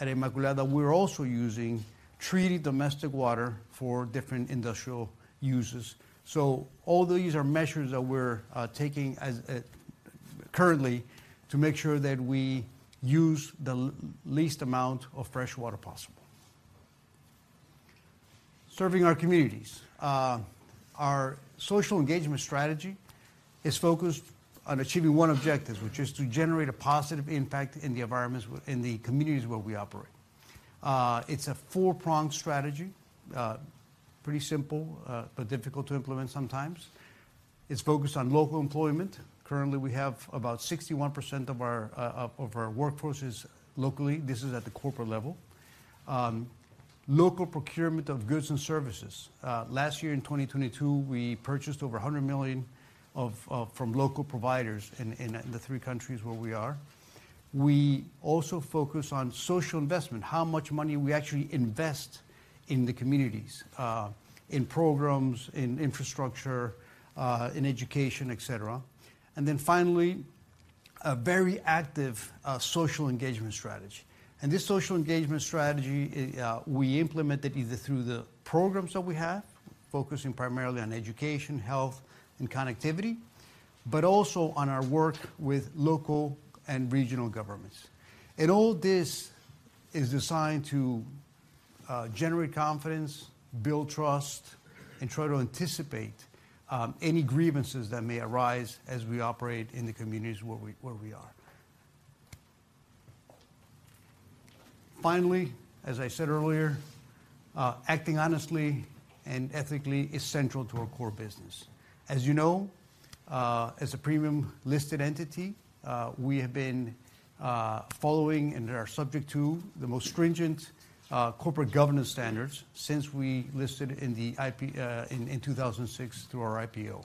at Inmaculada, we're also using treated domestic water for different industrial uses. So all these are measures that we're taking currently to make sure that we use the least amount of fresh water possible. Serving our communities. Our social engagement strategy is focused on achieving one objective, which is to generate a positive impact in the communities where we operate. It's a four-pronged strategy, pretty simple, but difficult to implement sometimes. It's focused on local employment. Currently, we have about 61% of our workforce is local. This is at the corporate level. Local procurement of goods and services. Last year in 2022, we purchased over $100 million from local providers in the three countries where we are. We also focus on social investment, how much money we actually invest in the communities, in programs, in infrastructure, in education, et cetera. Then finally, a very active social engagement strategy. And this social engagement strategy, we implemented either through the programs that we have, focusing primarily on education, health, and connectivity, but also on our work with local and regional governments. All this is designed to generate confidence, build trust, and try to anticipate any grievances that may arise as we operate in the communities where we, where we are. Finally, as I said earlier, acting honestly and ethically is central to our core business. As you know, as a premium-listed entity, we have been following and are subject to the most stringent corporate governance standards since we listed in 2006 through our IPO.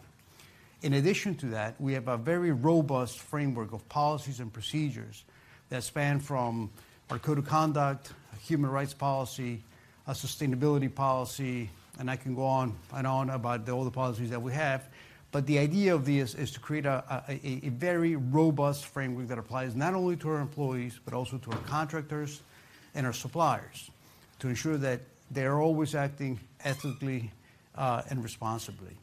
In addition to that, we have a very robust framework of policies and procedures that span from our code of conduct, human rights policy, a sustainability policy, and I can go on and on about all the policies that we have. But the idea of this is to create a very robust framework that applies not only to our employees, but also to our contractors and our suppliers, to ensure that they are always acting ethically and responsibly.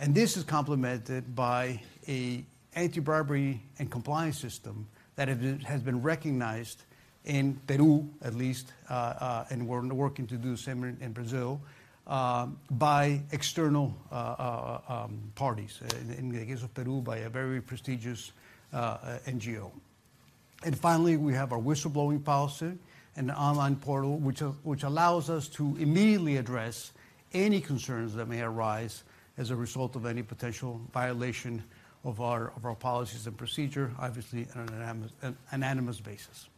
And this is complemented by an anti-bribery and compliance system that it has been recognized in Peru, at least, and we're working to do the same in Brazil by external parties, in the case of Peru, by a very prestigious NGO. And finally, we have our whistleblowing policy and online portal, which allows us to immediately address any concerns that may arise as a result of any potential violation of our policies and procedure, obviously, on an anonymous basis.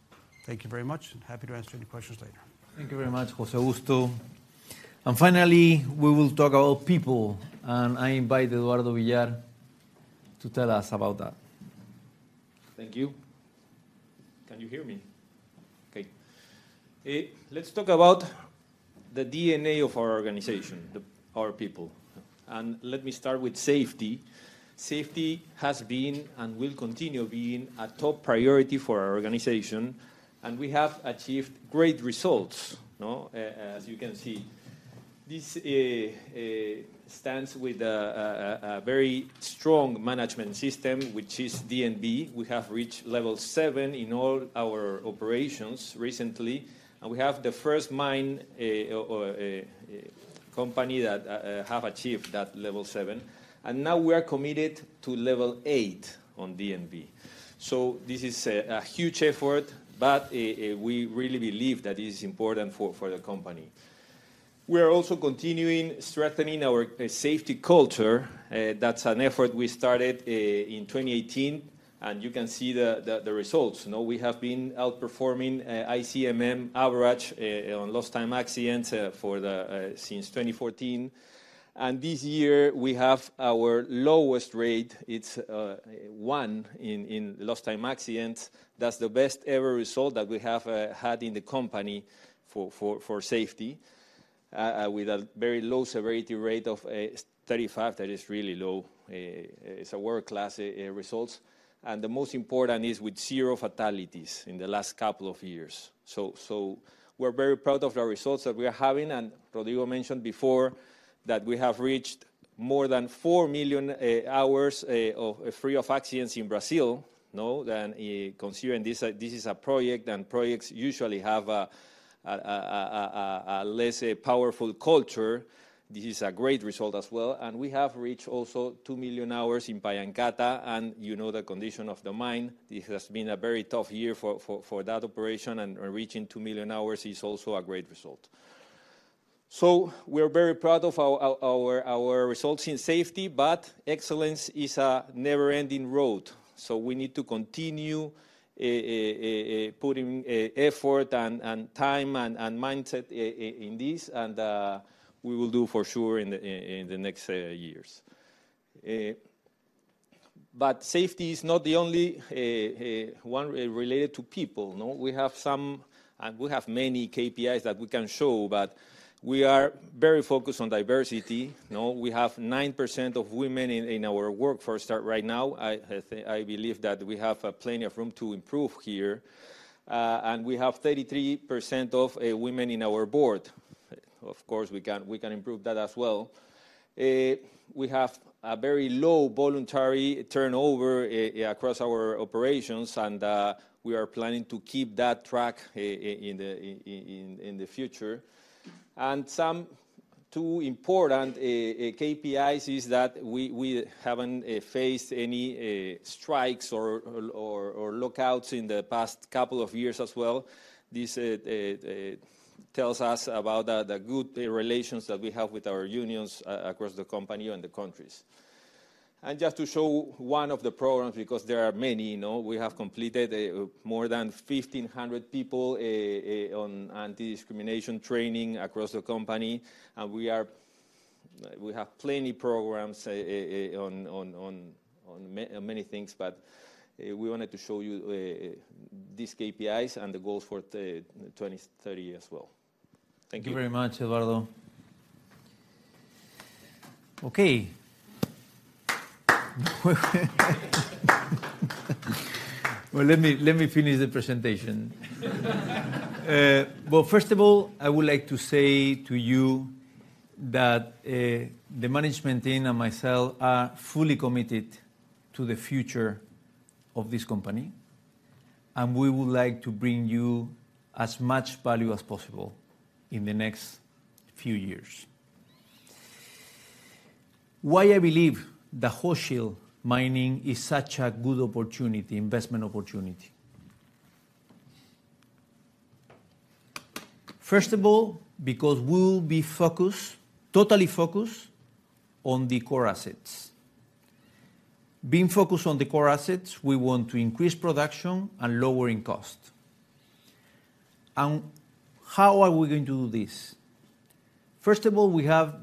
Thank you very much, and happy to answer any questions later. Thank you very much, José Augusto. And finally, we will talk about people, and I invite Eduardo Villar to tell us about that. Thank you. Can you hear me? Okay. Let's talk about the DNA of our organization, the our people. And let me start with safety. Safety has been and will continue being a top priority for our organization, and we have achieved great results, no? As you can see. This stands with a very strong management system, which is DNV. We have reached Level 7 in all our operations recently, and we have the first mine or a company that have achieved that Level 7. And now we are committed to Level 8 on DNV. So this is a huge effort, but we really believe that it is important for the company. We are also continuing strengthening our safety culture. That's an effort we started in 2018, and you can see the results. Now, we have been outperforming ICMM average on lost time accidents since 2014. This year, we have our lowest rate. It's one in lost time accidents. That's the best ever result that we have had in the company for safety with a very low severity rate of 35. That is really low. It's a world-class results, and the most important is with zero fatalities in the last couple of years. So we're very proud of our results that we are having. And Rodrigo mentioned before that we have reached more than 4 million hours of free of accidents in Brazil, no? Then, considering this, this is a project, and projects usually have a less powerful culture. This is a great result as well, and we have reached also 2 million hours in Pallancata, and you know the condition of the mine. This has been a very tough year for that operation, and reaching 2 million hours is also a great result. So we're very proud of our results in safety, but excellence is a never-ending road. So we need to continue putting effort and time and mindset in this, and we will do for sure in the next years. But safety is not the only one related to people, no? We have some... We have many KPIs that we can show, but we are very focused on diversity, no? We have 9% of women in our workforce right now. I think I believe that we have plenty of room to improve here. And we have 33% of women in our board. Of course, we can improve that as well. We have a very low voluntary turnover across our operations, and we are planning to keep that track in the future. And some two important KPIs is that we haven't faced any strikes or lockouts in the past couple of years as well. This tells us about the good relations that we have with our unions across the company and the countries. Just to show one of the programs, because there are many, you know, we have completed more than 1,500 people on anti-discrimination training across the company, and we have plenty programs on many things. But we wanted to show you these KPIs and the goals for 2030 as well. Thank you. Thank you very much, Eduardo. Okay. Well, let me, let me finish the presentation. Well, first of all, I would like to say to you that, the management team and myself are fully committed to the future of this company, and we would like to bring you as much value as possible in the next few years. Why I believe that Hochschild Mining is such a good opportunity, investment opportunity? First of all, because we'll be focused, totally focused on the core assets. Being focused on the core assets, we want to increase production and lowering cost. And how are we going to do this? First of all, we have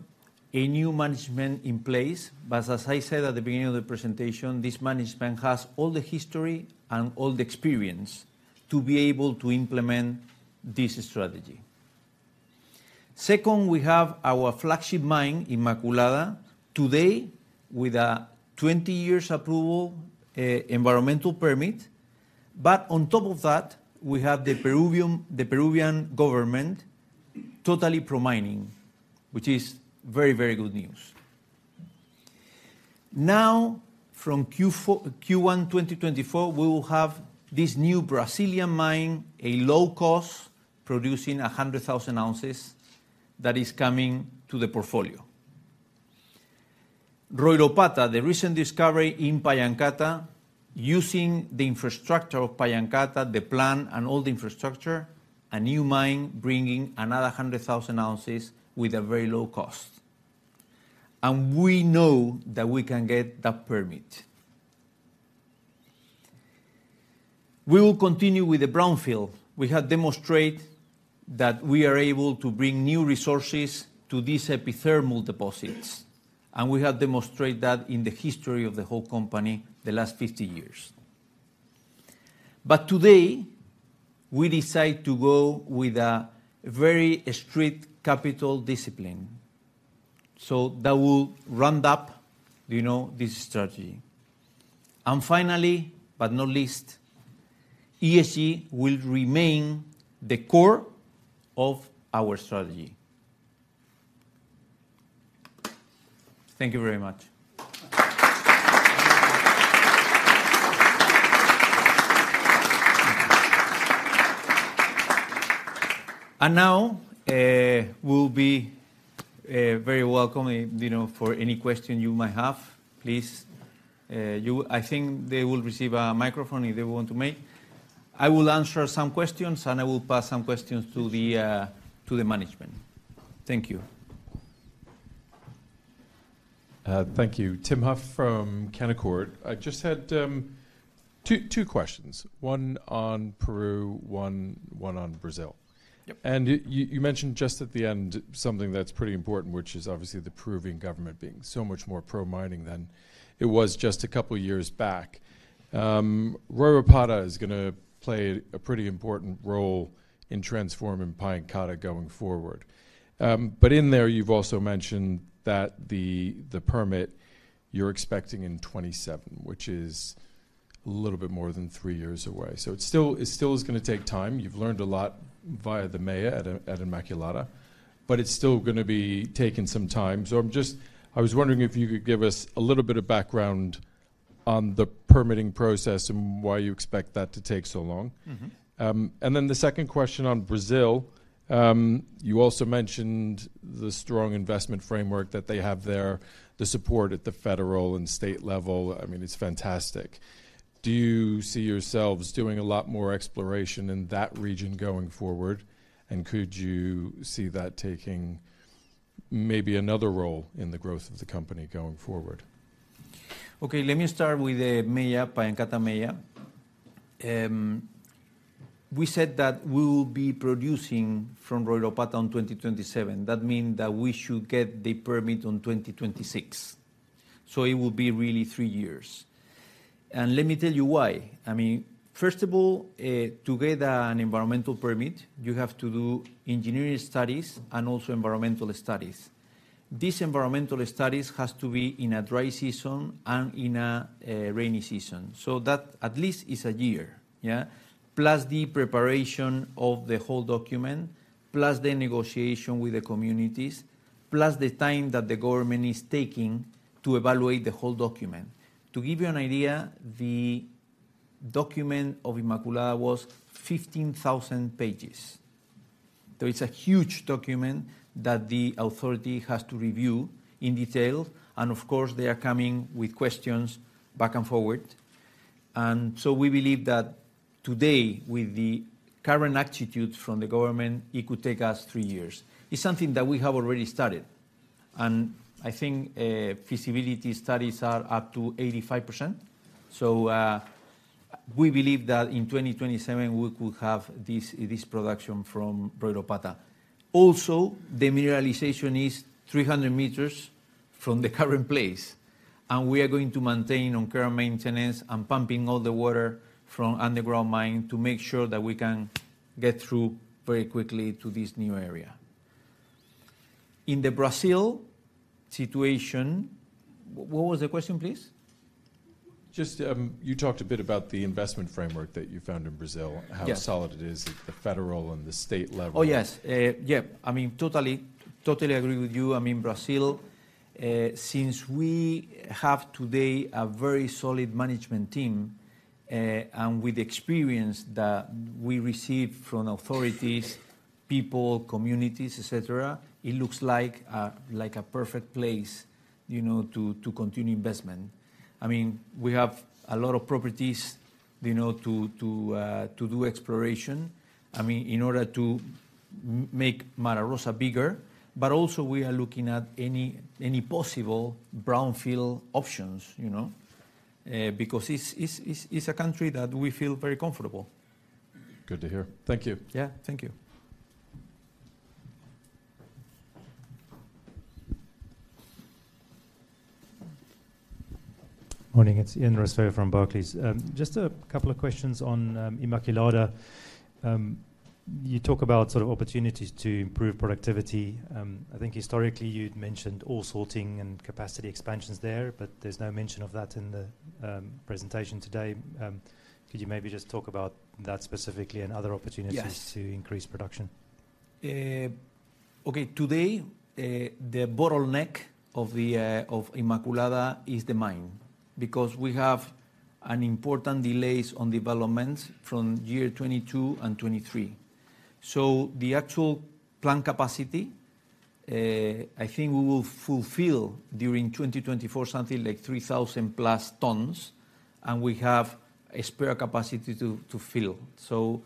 a new management in place, but as I said at the beginning of the presentation, this management has all the history and all the experience to be able to implement this strategy. Second, we have our flagship mine, Inmaculada. Today, with a 20-year approval, environmental permit, but on top of that, we have the Peruvian, the Peruvian government totally pro-mining, which is very, very good news. Now, from Q1 2024, we will have this new Brazilian mine, a low cost, producing 100,000 oz that is coming to the portfolio. Royropata, the recent discovery in Pallancata, using the infrastructure of Pallancata, the plant and all the infrastructure, a new mine bringing another 100,000 oz with a very low cost, and we know that we can get that permit. We will continue with the brownfield. We have demonstrate that we are able to bring new resources to these epithermal deposits, and we have demonstrate that in the history of the whole company, the last 50 years. But today, we decide to go with a very strict capital discipline, so that will round up, you know, this strategy. And finally, but not least, ESG will remain the core of our strategy. Thank you very much. And now, we'll be very welcome, you know, for any question you might have. Please, you-- I think they will receive a microphone if they want to make. I will answer some questions, and I will pass some questions to the management. Thank you. Thank you. Tim Huff from Canaccord. I just had two questions. One on Peru, one on Brazil. Yep. And you mentioned just at the end something that's pretty important, which is obviously the Peruvian government being so much more pro-mining than it was just a couple of years back. Royropata is gonna play a pretty important role in transforming Pallancata going forward. But in there, you've also mentioned that the permit you're expecting in 2027, which is a little bit more than three years away. So it still is gonna take time. You've learned a lot via the MEIA at Inmaculada, but it's still gonna be taking some time. So I was wondering if you could give us a little bit of background on the permitting process and why you expect that to take so long? Mm-hmm. And then the second question on Brazil, you also mentioned the strong investment framework that they have there, the support at the federal and state level. I mean, it's fantastic. Do you see yourselves doing a lot more exploration in that region going forward? And could you see that taking maybe another role in the growth of the company going forward? Okay, let me start with the MEIA, Pallancata MEIA. We said that we will be producing from Royropata on 2027. That mean that we should get the permit on 2026. So it will be really three years. And let me tell you why. I mean, first of all, to get an environmental permit, you have to do engineering studies and also environmental studies. These environmental studies has to be in a dry season and in a rainy season. So that at least is a year. Yeah. Plus, the preparation of the whole document, plus the negotiation with the communities, plus the time that the government is taking to evaluate the whole document. To give you an idea, the document of Inmaculada was 15,000 pages. So it's a huge document that the authority has to review in detail, and of course, they are coming with questions back and forward. And so we believe that today, with the current attitude from the government, it could take us three years. It's something that we have already started, and I think, feasibility studies are up to 85%. So, we believe that in 2027, we could have this, this production from Royropata. Also, the mineralization is 300 m from the current place, and we are going to maintain on current maintenance and pumping all the water from underground mine to make sure that we can get through very quickly to this new area. In the Brazil situation... What was the question, please? Just, you talked a bit about the investment framework that you found in Brazil- Yeah. how solid it is at the federal and the state level. Oh, yes. Yeah. I mean, totally, totally agree with you. I mean, Brazil, since we have today a very solid management team, and with experience that we received from authorities, people, communities, et cetera, it looks like a perfect place, you know, to continue investment. I mean, we have a lot of properties, you know, to do exploration. I mean, in order to make Mara Rosa bigger, but also we are looking at any possible brownfield options, you know? Because it's a country that we feel very comfortable. Good to hear. Thank you. Yeah, thank you. Morning, it's Ian Rossouw from Barclays. Just a couple of questions on Inmaculada. You talk about sort of opportunities to improve productivity. I think historically, you'd mentioned ore sorting and capacity expansions there, but there's no mention of that in the presentation today. Could you maybe just talk about that specifically and other opportunities- Yes. - to increase production? Okay. Today, the bottleneck of the of Inmaculada is the mine, because we have an important delays on development from 2022 and 2023. So the actual plant capacity, I think we will fulfill during 2024, something like 3,000+ tons, and we have a spare capacity to fill. So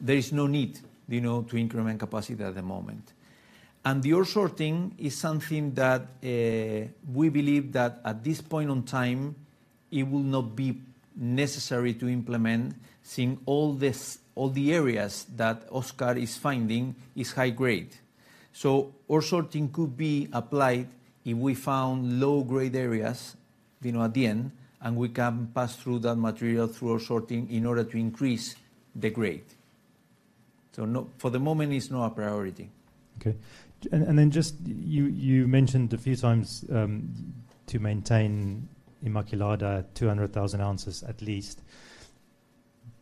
there is no need, you know, to increment capacity at the moment. And the ore sorting is something that, we believe that at this point in time, it will not be necessary to implement, seeing all the areas that Oscar is finding is high grade. So ore sorting could be applied if we found low-grade areas, you know, at the end, and we can pass through that material through ore sorting in order to increase the grade. So for the moment, it's not a priority. Okay. And then just you mentioned a few times to maintain Inmaculada at 200,000 oz at least.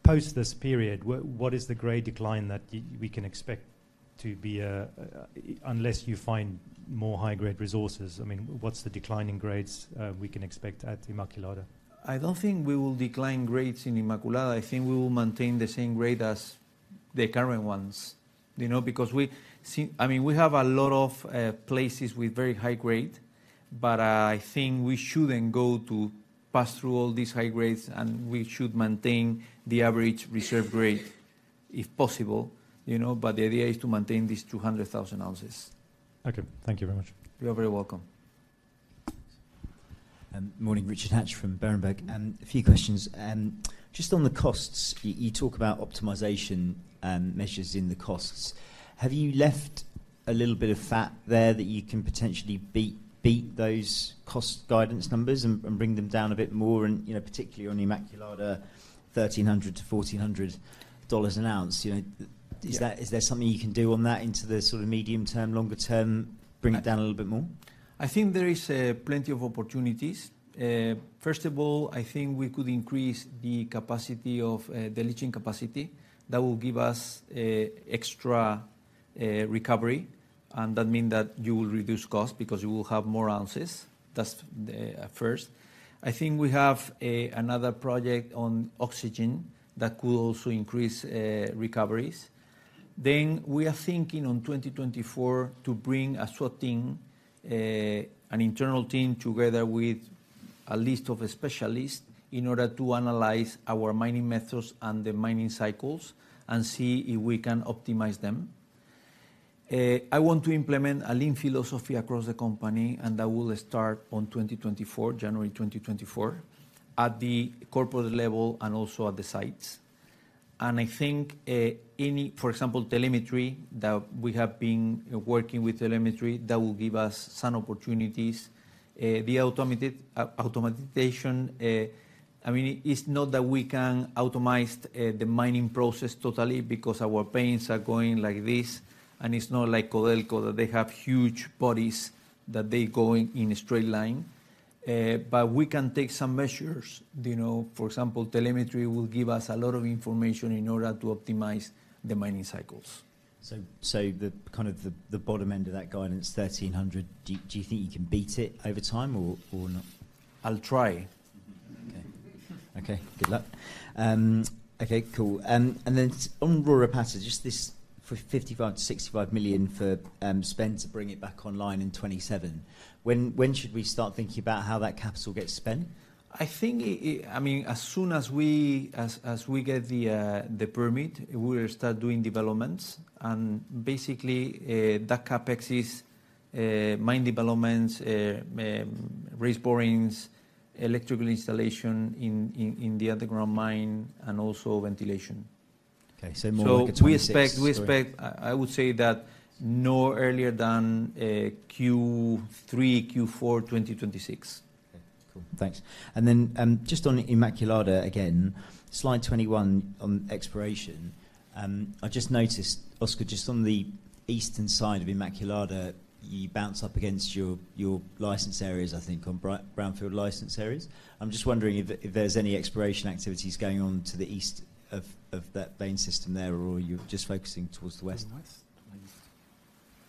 Post this period, what is the grade decline that we can expect to be, unless you find more high-grade resources? I mean, what's the decline in grades we can expect at Inmaculada? I don't think we will decline grades in Inmaculada. I think we will maintain the same grade as the current ones, you know, because we see-- I mean, we have a lot of places with very high grade, but I think we shouldn't go to pass through all these high grades, and we should maintain the average reserve grade, if possible, you know, but the idea is to maintain these 200,000 oz. Okay. Thank you very much. You're very welcome.... morning, Richard Hatch from Berenberg. A few questions. Just on the costs, you talk about optimization measures in the costs. Have you left a little bit of fat there that you can potentially beat those cost guidance numbers and bring them down a bit more? And, you know, particularly on Inmaculada, $1,300-$1,400 an oz, you know- Yeah. Is that, is there something you can do on that into the sort of medium term, longer term, bring it down a little bit more? I think there is plenty of opportunities. First of all, I think we could increase the capacity of the leaching capacity. That will give us a extra recovery, and that mean that you will reduce cost because you will have more ounces. That's the first. I think we have a another project on oxygen that could also increase recoveries. Then, we are thinking on 2024 to bring a sort team, an internal team, together with a list of specialists, in order to analyze our mining methods and the mining cycles and see if we can optimize them. I want to implement a lean philosophy across the company, and that will start on 2024, January 2024, at the corporate level and also at the sites. And I think any... For example, telemetry that we have been working with telemetry that will give us some opportunities. The automated, automation, I mean, it's not that we can automate the mining process totally because our veins are going like this, and it's not like Codelco, that they have huge bodies that they going in a straight line. But we can take some measures, you know. For example, telemetry will give us a lot of information in order to optimize the mining cycles. So, the bottom end of that guidance, $1,300, do you think you can beat it over time or not? I'll try. Okay. Okay, good luck. Okay, cool. And then on Royropata, just this for $55 million-$65 million for spend to bring it back online in 2027, when should we start thinking about how that capital gets spent? I think it, I mean, as soon as we get the permit, we'll start doing developments. Basically, that CapEx is mine developments, raise borings, electrical installation in the underground mine, and also ventilation. Okay, so more like a 2026- We expect, I would say, that no earlier than Q3, Q4 2026. Okay, cool. Thanks. And then, just on Inmaculada again, slide 21 on exploration, I just noticed, Oscar, just on the eastern side of Inmaculada, you bounce up against your, your license areas, I think, on Brownfield license areas. I'm just wondering if, if there's any exploration activities going on to the east of, of that vein system there, or you're just focusing towards the west? To the west.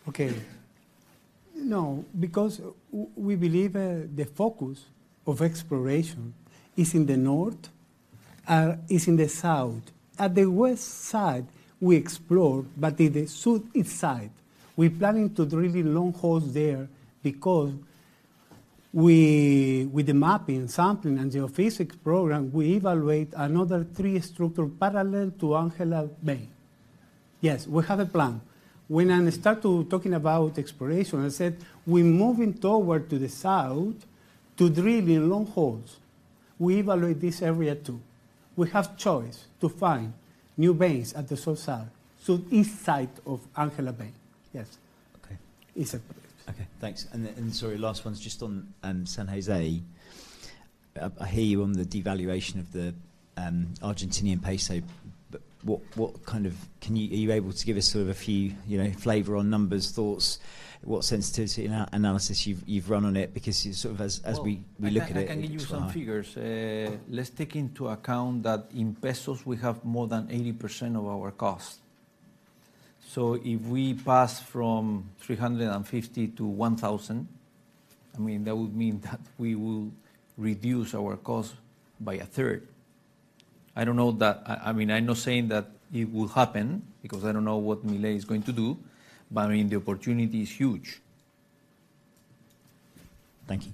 Okay. No, because we believe, the focus of exploration is in the north, is in the south. At the west side, we explore, but in the southeast side, we're planning to drill long holes there because we, with the mapping, sampling, and geophysics program, we evaluate another three structure parallel to Angela vein. Yes, we have a plan. When I start to talking about exploration, I said, we're moving toward to the south to drilling long holes. We evaluate this area too. We have choice to find new veins at the south side, southeast side of Angela vein. Yes. Okay. It's a- Okay, thanks. Then, sorry, last one is just on San Jose. I hear you on the devaluation of the Argentine peso, but what kind of... Are you able to give us sort of a few, you know, flavor on numbers, thoughts, what sensitivity analysis you've run on it? Because you sort of as we- Oh. We look at it. I can give you some figures. Sure. Let's take into account that in pesos, we have more than 80% of our cost. So if we pass from 350 to 1,000, I mean, that would mean that we will reduce our cost by a third. I don't know that... I, I mean, I'm not saying that it will happen, because I don't know what Milei is going to do, but, I mean, the opportunity is huge. Thank you.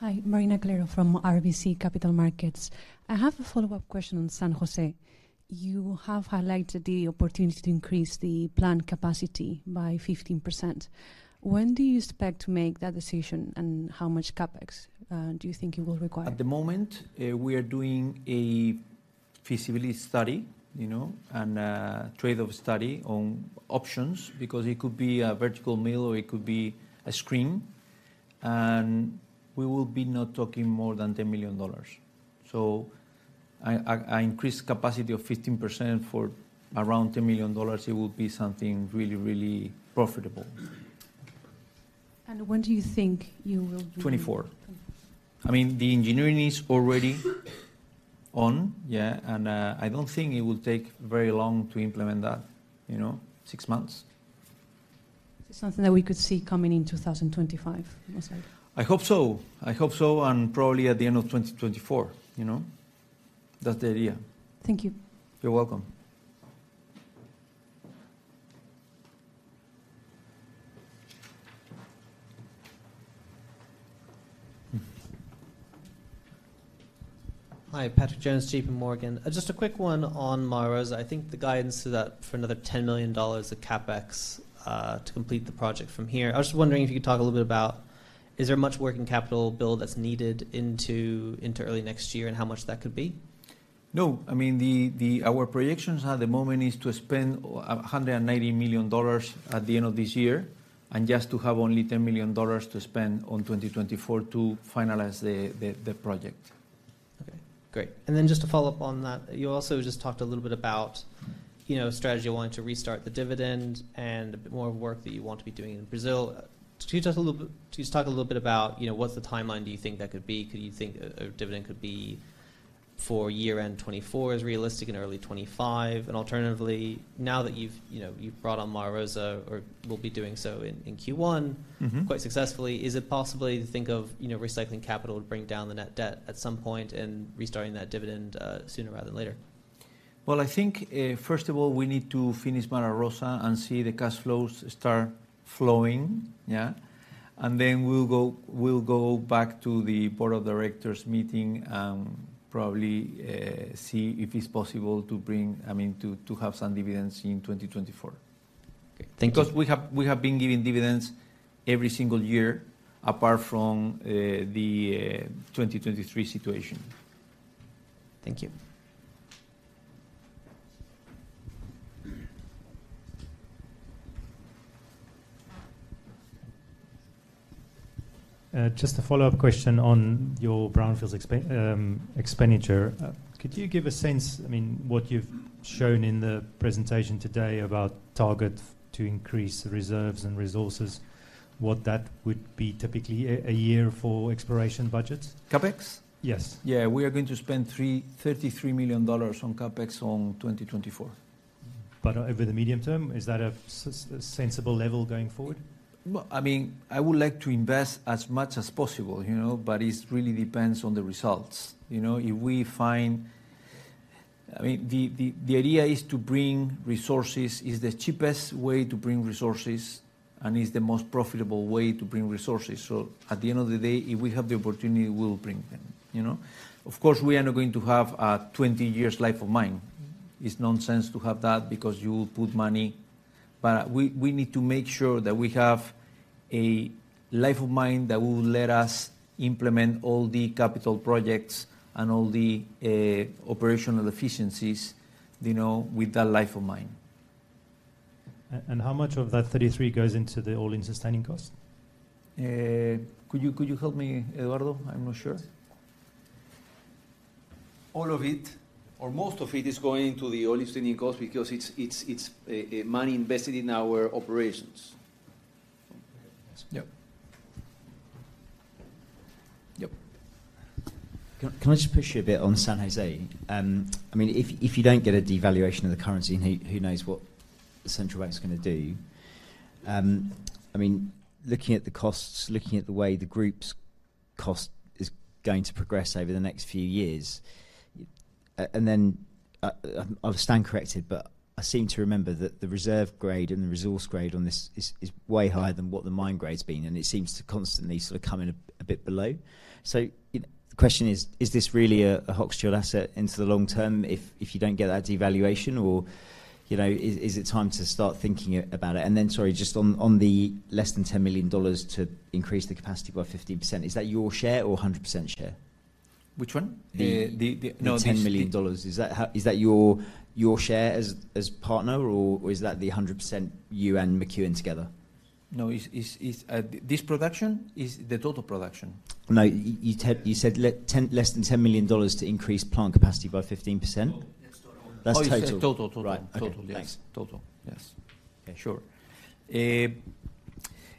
Yeah. Hi, Marina Calero from RBC Capital Markets. I have a follow-up question on San Jose. You have highlighted the opportunity to increase the plant capacity by 15%. When do you expect to make that decision, and how much CapEx do you think it will require? At the moment, we are doing a feasibility study, you know, and trade-off study on options, because it could be a vertical mill, or it could be a screen. And we will be not talking more than $10 million. So I increase capacity of 15% for around $10 million, it will be something really, really profitable. When do you think you will be- 2024. 2024. I mean, the engineering is already on, yeah, and I don't think it will take very long to implement that, you know? Six months. Is it something that we could see coming in 2025, let's say? I hope so. I hope so, and probably at the end of 2024, you know. That's the idea. Thank you. You're welcome.... Hi, Patrick Jones, JPMorgan. Just a quick one on Mara Rosa. I think the guidance is up for another $10 million of CapEx to complete the project from here. I was just wondering if you could talk a little bit about, is there much working capital bill that's needed into early next year, and how much that could be? No. I mean, our projections at the moment is to spend $190 million at the end of this year, and just to have only $10 million to spend on 2024 to finalize the project. Okay, great. And then just to follow up on that, you also just talked a little bit about, you know, strategy wanting to restart the dividend and a bit more work that you want to be doing in Brazil. Could you talk a little bit, just talk a little bit about, you know, what's the timeline do you think that could be? Could you think a dividend could be for year-end 2024 is realistic and early 2025? And alternatively, now that you've, you know, you've brought on Mara Rosa or will be doing so in Q1- Mm-hmm... quite successfully, is it possible to think of, you know, recycling capital to bring down the net debt at some point and restarting that dividend sooner rather than later? Well, I think, first of all, we need to finish Mara Rosa and see the cash flows start flowing. Yeah? And then we'll go, we'll go back to the board of directors meeting and probably see if it's possible to bring... I mean, to, to have some dividends in 2024. Okay, thank you. Because we have, we have been giving dividends every single year apart from the 2023 situation. Thank you. Just a follow-up question on your brownfields expenditure. Could you give a sense, I mean, what you've shown in the presentation today about target to increase reserves and resources, what that would be typically a year for exploration budgets? CapEx? Yes. Yeah, we are going to spend $33 million on CapEx on 2024. Over the medium term, is that a sensible level going forward? Well, I mean, I would like to invest as much as possible, you know, but it really depends on the results. You know, if we find-- I mean, the idea is to bring resources, is the cheapest way to bring resources, and is the most profitable way to bring resources. So at the end of the day, if we have the opportunity, we'll bring them, you know? Of course, we are not going to have a 20 years life of mine. It's nonsense to have that because you will put money... But we need to make sure that we have a life of mine that will let us implement all the capital projects and all the operational efficiencies, you know, with that life of mine. How much of that 33 goes into the all-in sustaining cost? Could you, could you help me, Eduardo? I'm not sure. All of it, or most of it, is going into the all-in sustaining cost because it's money invested in our operations. Yep. Yep. Can I just push you a bit on San Jose? I mean, if you don't get a devaluation of the currency and who knows what the central bank's gonna do, I mean, looking at the costs, looking at the way the group's cost is going to progress over the next few years, and then I'll stand corrected, but I seem to remember that the reserve grade and the resource grade on this is way higher than what the mine grade's been, and it seems to constantly sort of come in a bit below. So the question is: Is this really a Hochschild asset into the long term if you don't get that devaluation, or, you know, is it time to start thinking about it? Then, sorry, just on the less than $10 million to increase the capacity by 15%, is that your share or 100% share? Which one? The- The $10 million. No, the- Is that your share as partner, or is that the 100% you and McEwen together? No, it's this production is the total production. No, you said, you said less than $10 million to increase plant capacity by 15%. Yes, total. That's total. Oh, it's total, total. Right. Okay, thanks. Total, yes. Yeah, sure.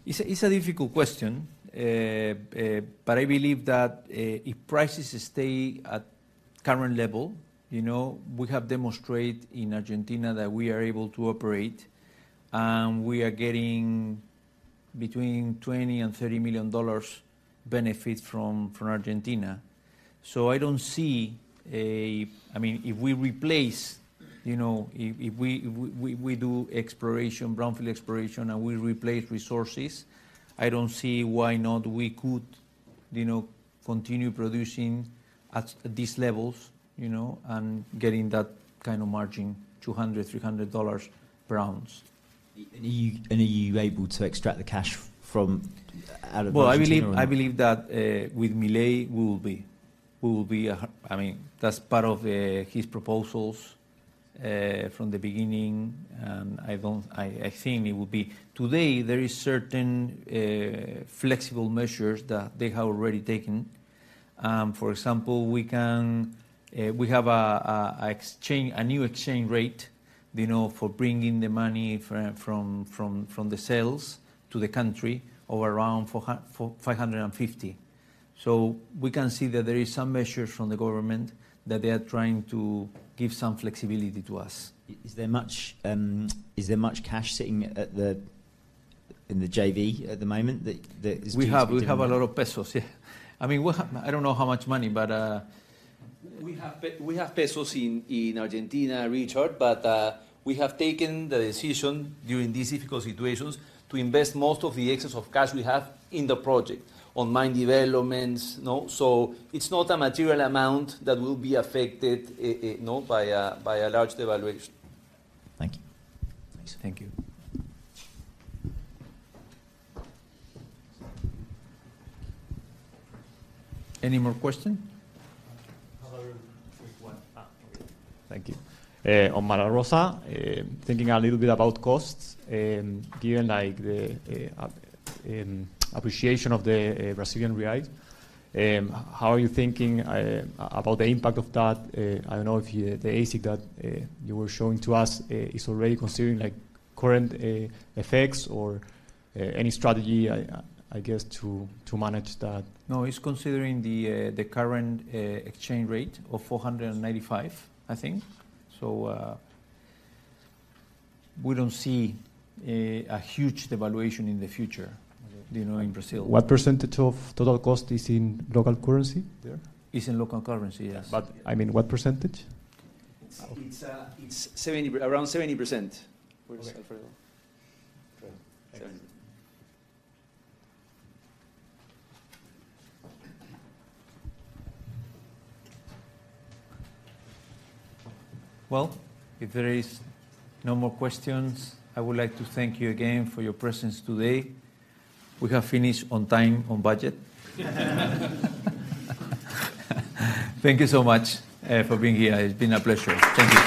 It's a difficult question, but I believe that if prices stay at current level, you know, we have demonstrated in Argentina that we are able to operate, and we are getting between $20 million and $30 million benefit from Argentina. So I don't see a... I mean, if we replace, you know, if we do exploration, brownfield exploration, and we replace resources, I don't see why not we could, you know, continue producing at these levels, you know, and getting that kind of margin, $200-$300 per oz. Are you able to extract the cash from out of Argentina? Well, I believe, I believe that with Milei, we will be. We will be. I mean, that's part of his proposals from the beginning, and I think it will be. Today, there is certain flexible measures that they have already taken. For example, we have a new exchange rate, you know, for bringing the money from the sales to the country of around 450. So we can see that there is some measures from the government that they are trying to give some flexibility to us. Is there much cash sitting at the, in the JV at the moment that, that is- We have, we have a lot of pesos, yeah. I mean, we have... I don't know how much money, but, We have pesos in Argentina, Richard, but we have taken the decision during these difficult situations to invest most of the excess of cash we have in the project on mine developments. No, so it's not a material amount that will be affected by a large devaluation. Thank you. Thanks. Thank you. Any more question? I have a quick one. Thank you. On Mara Rosa, thinking a little bit about costs, given like the appreciation of the Brazilian Real, how are you thinking about the impact of that? I don't know if the AISC that you were showing to us is already considering like current effects or any strategy, I guess, to manage that. No, it's considering the current exchange rate of 495, I think. So, we don't see a huge devaluation in the future- Okay... you know, in Brazil. What percentage of total cost is in local currency there? It's in local currency, yes. I mean, what percentage? It's, it's 70%, around 70%. Okay. Thanks. Alfredo. Okay. Thanks. Well, if there is no more questions, I would like to thank you again for your presence today. We have finished on time, on budget. Thank you so much, for being here. It's been a pleasure. Thank you.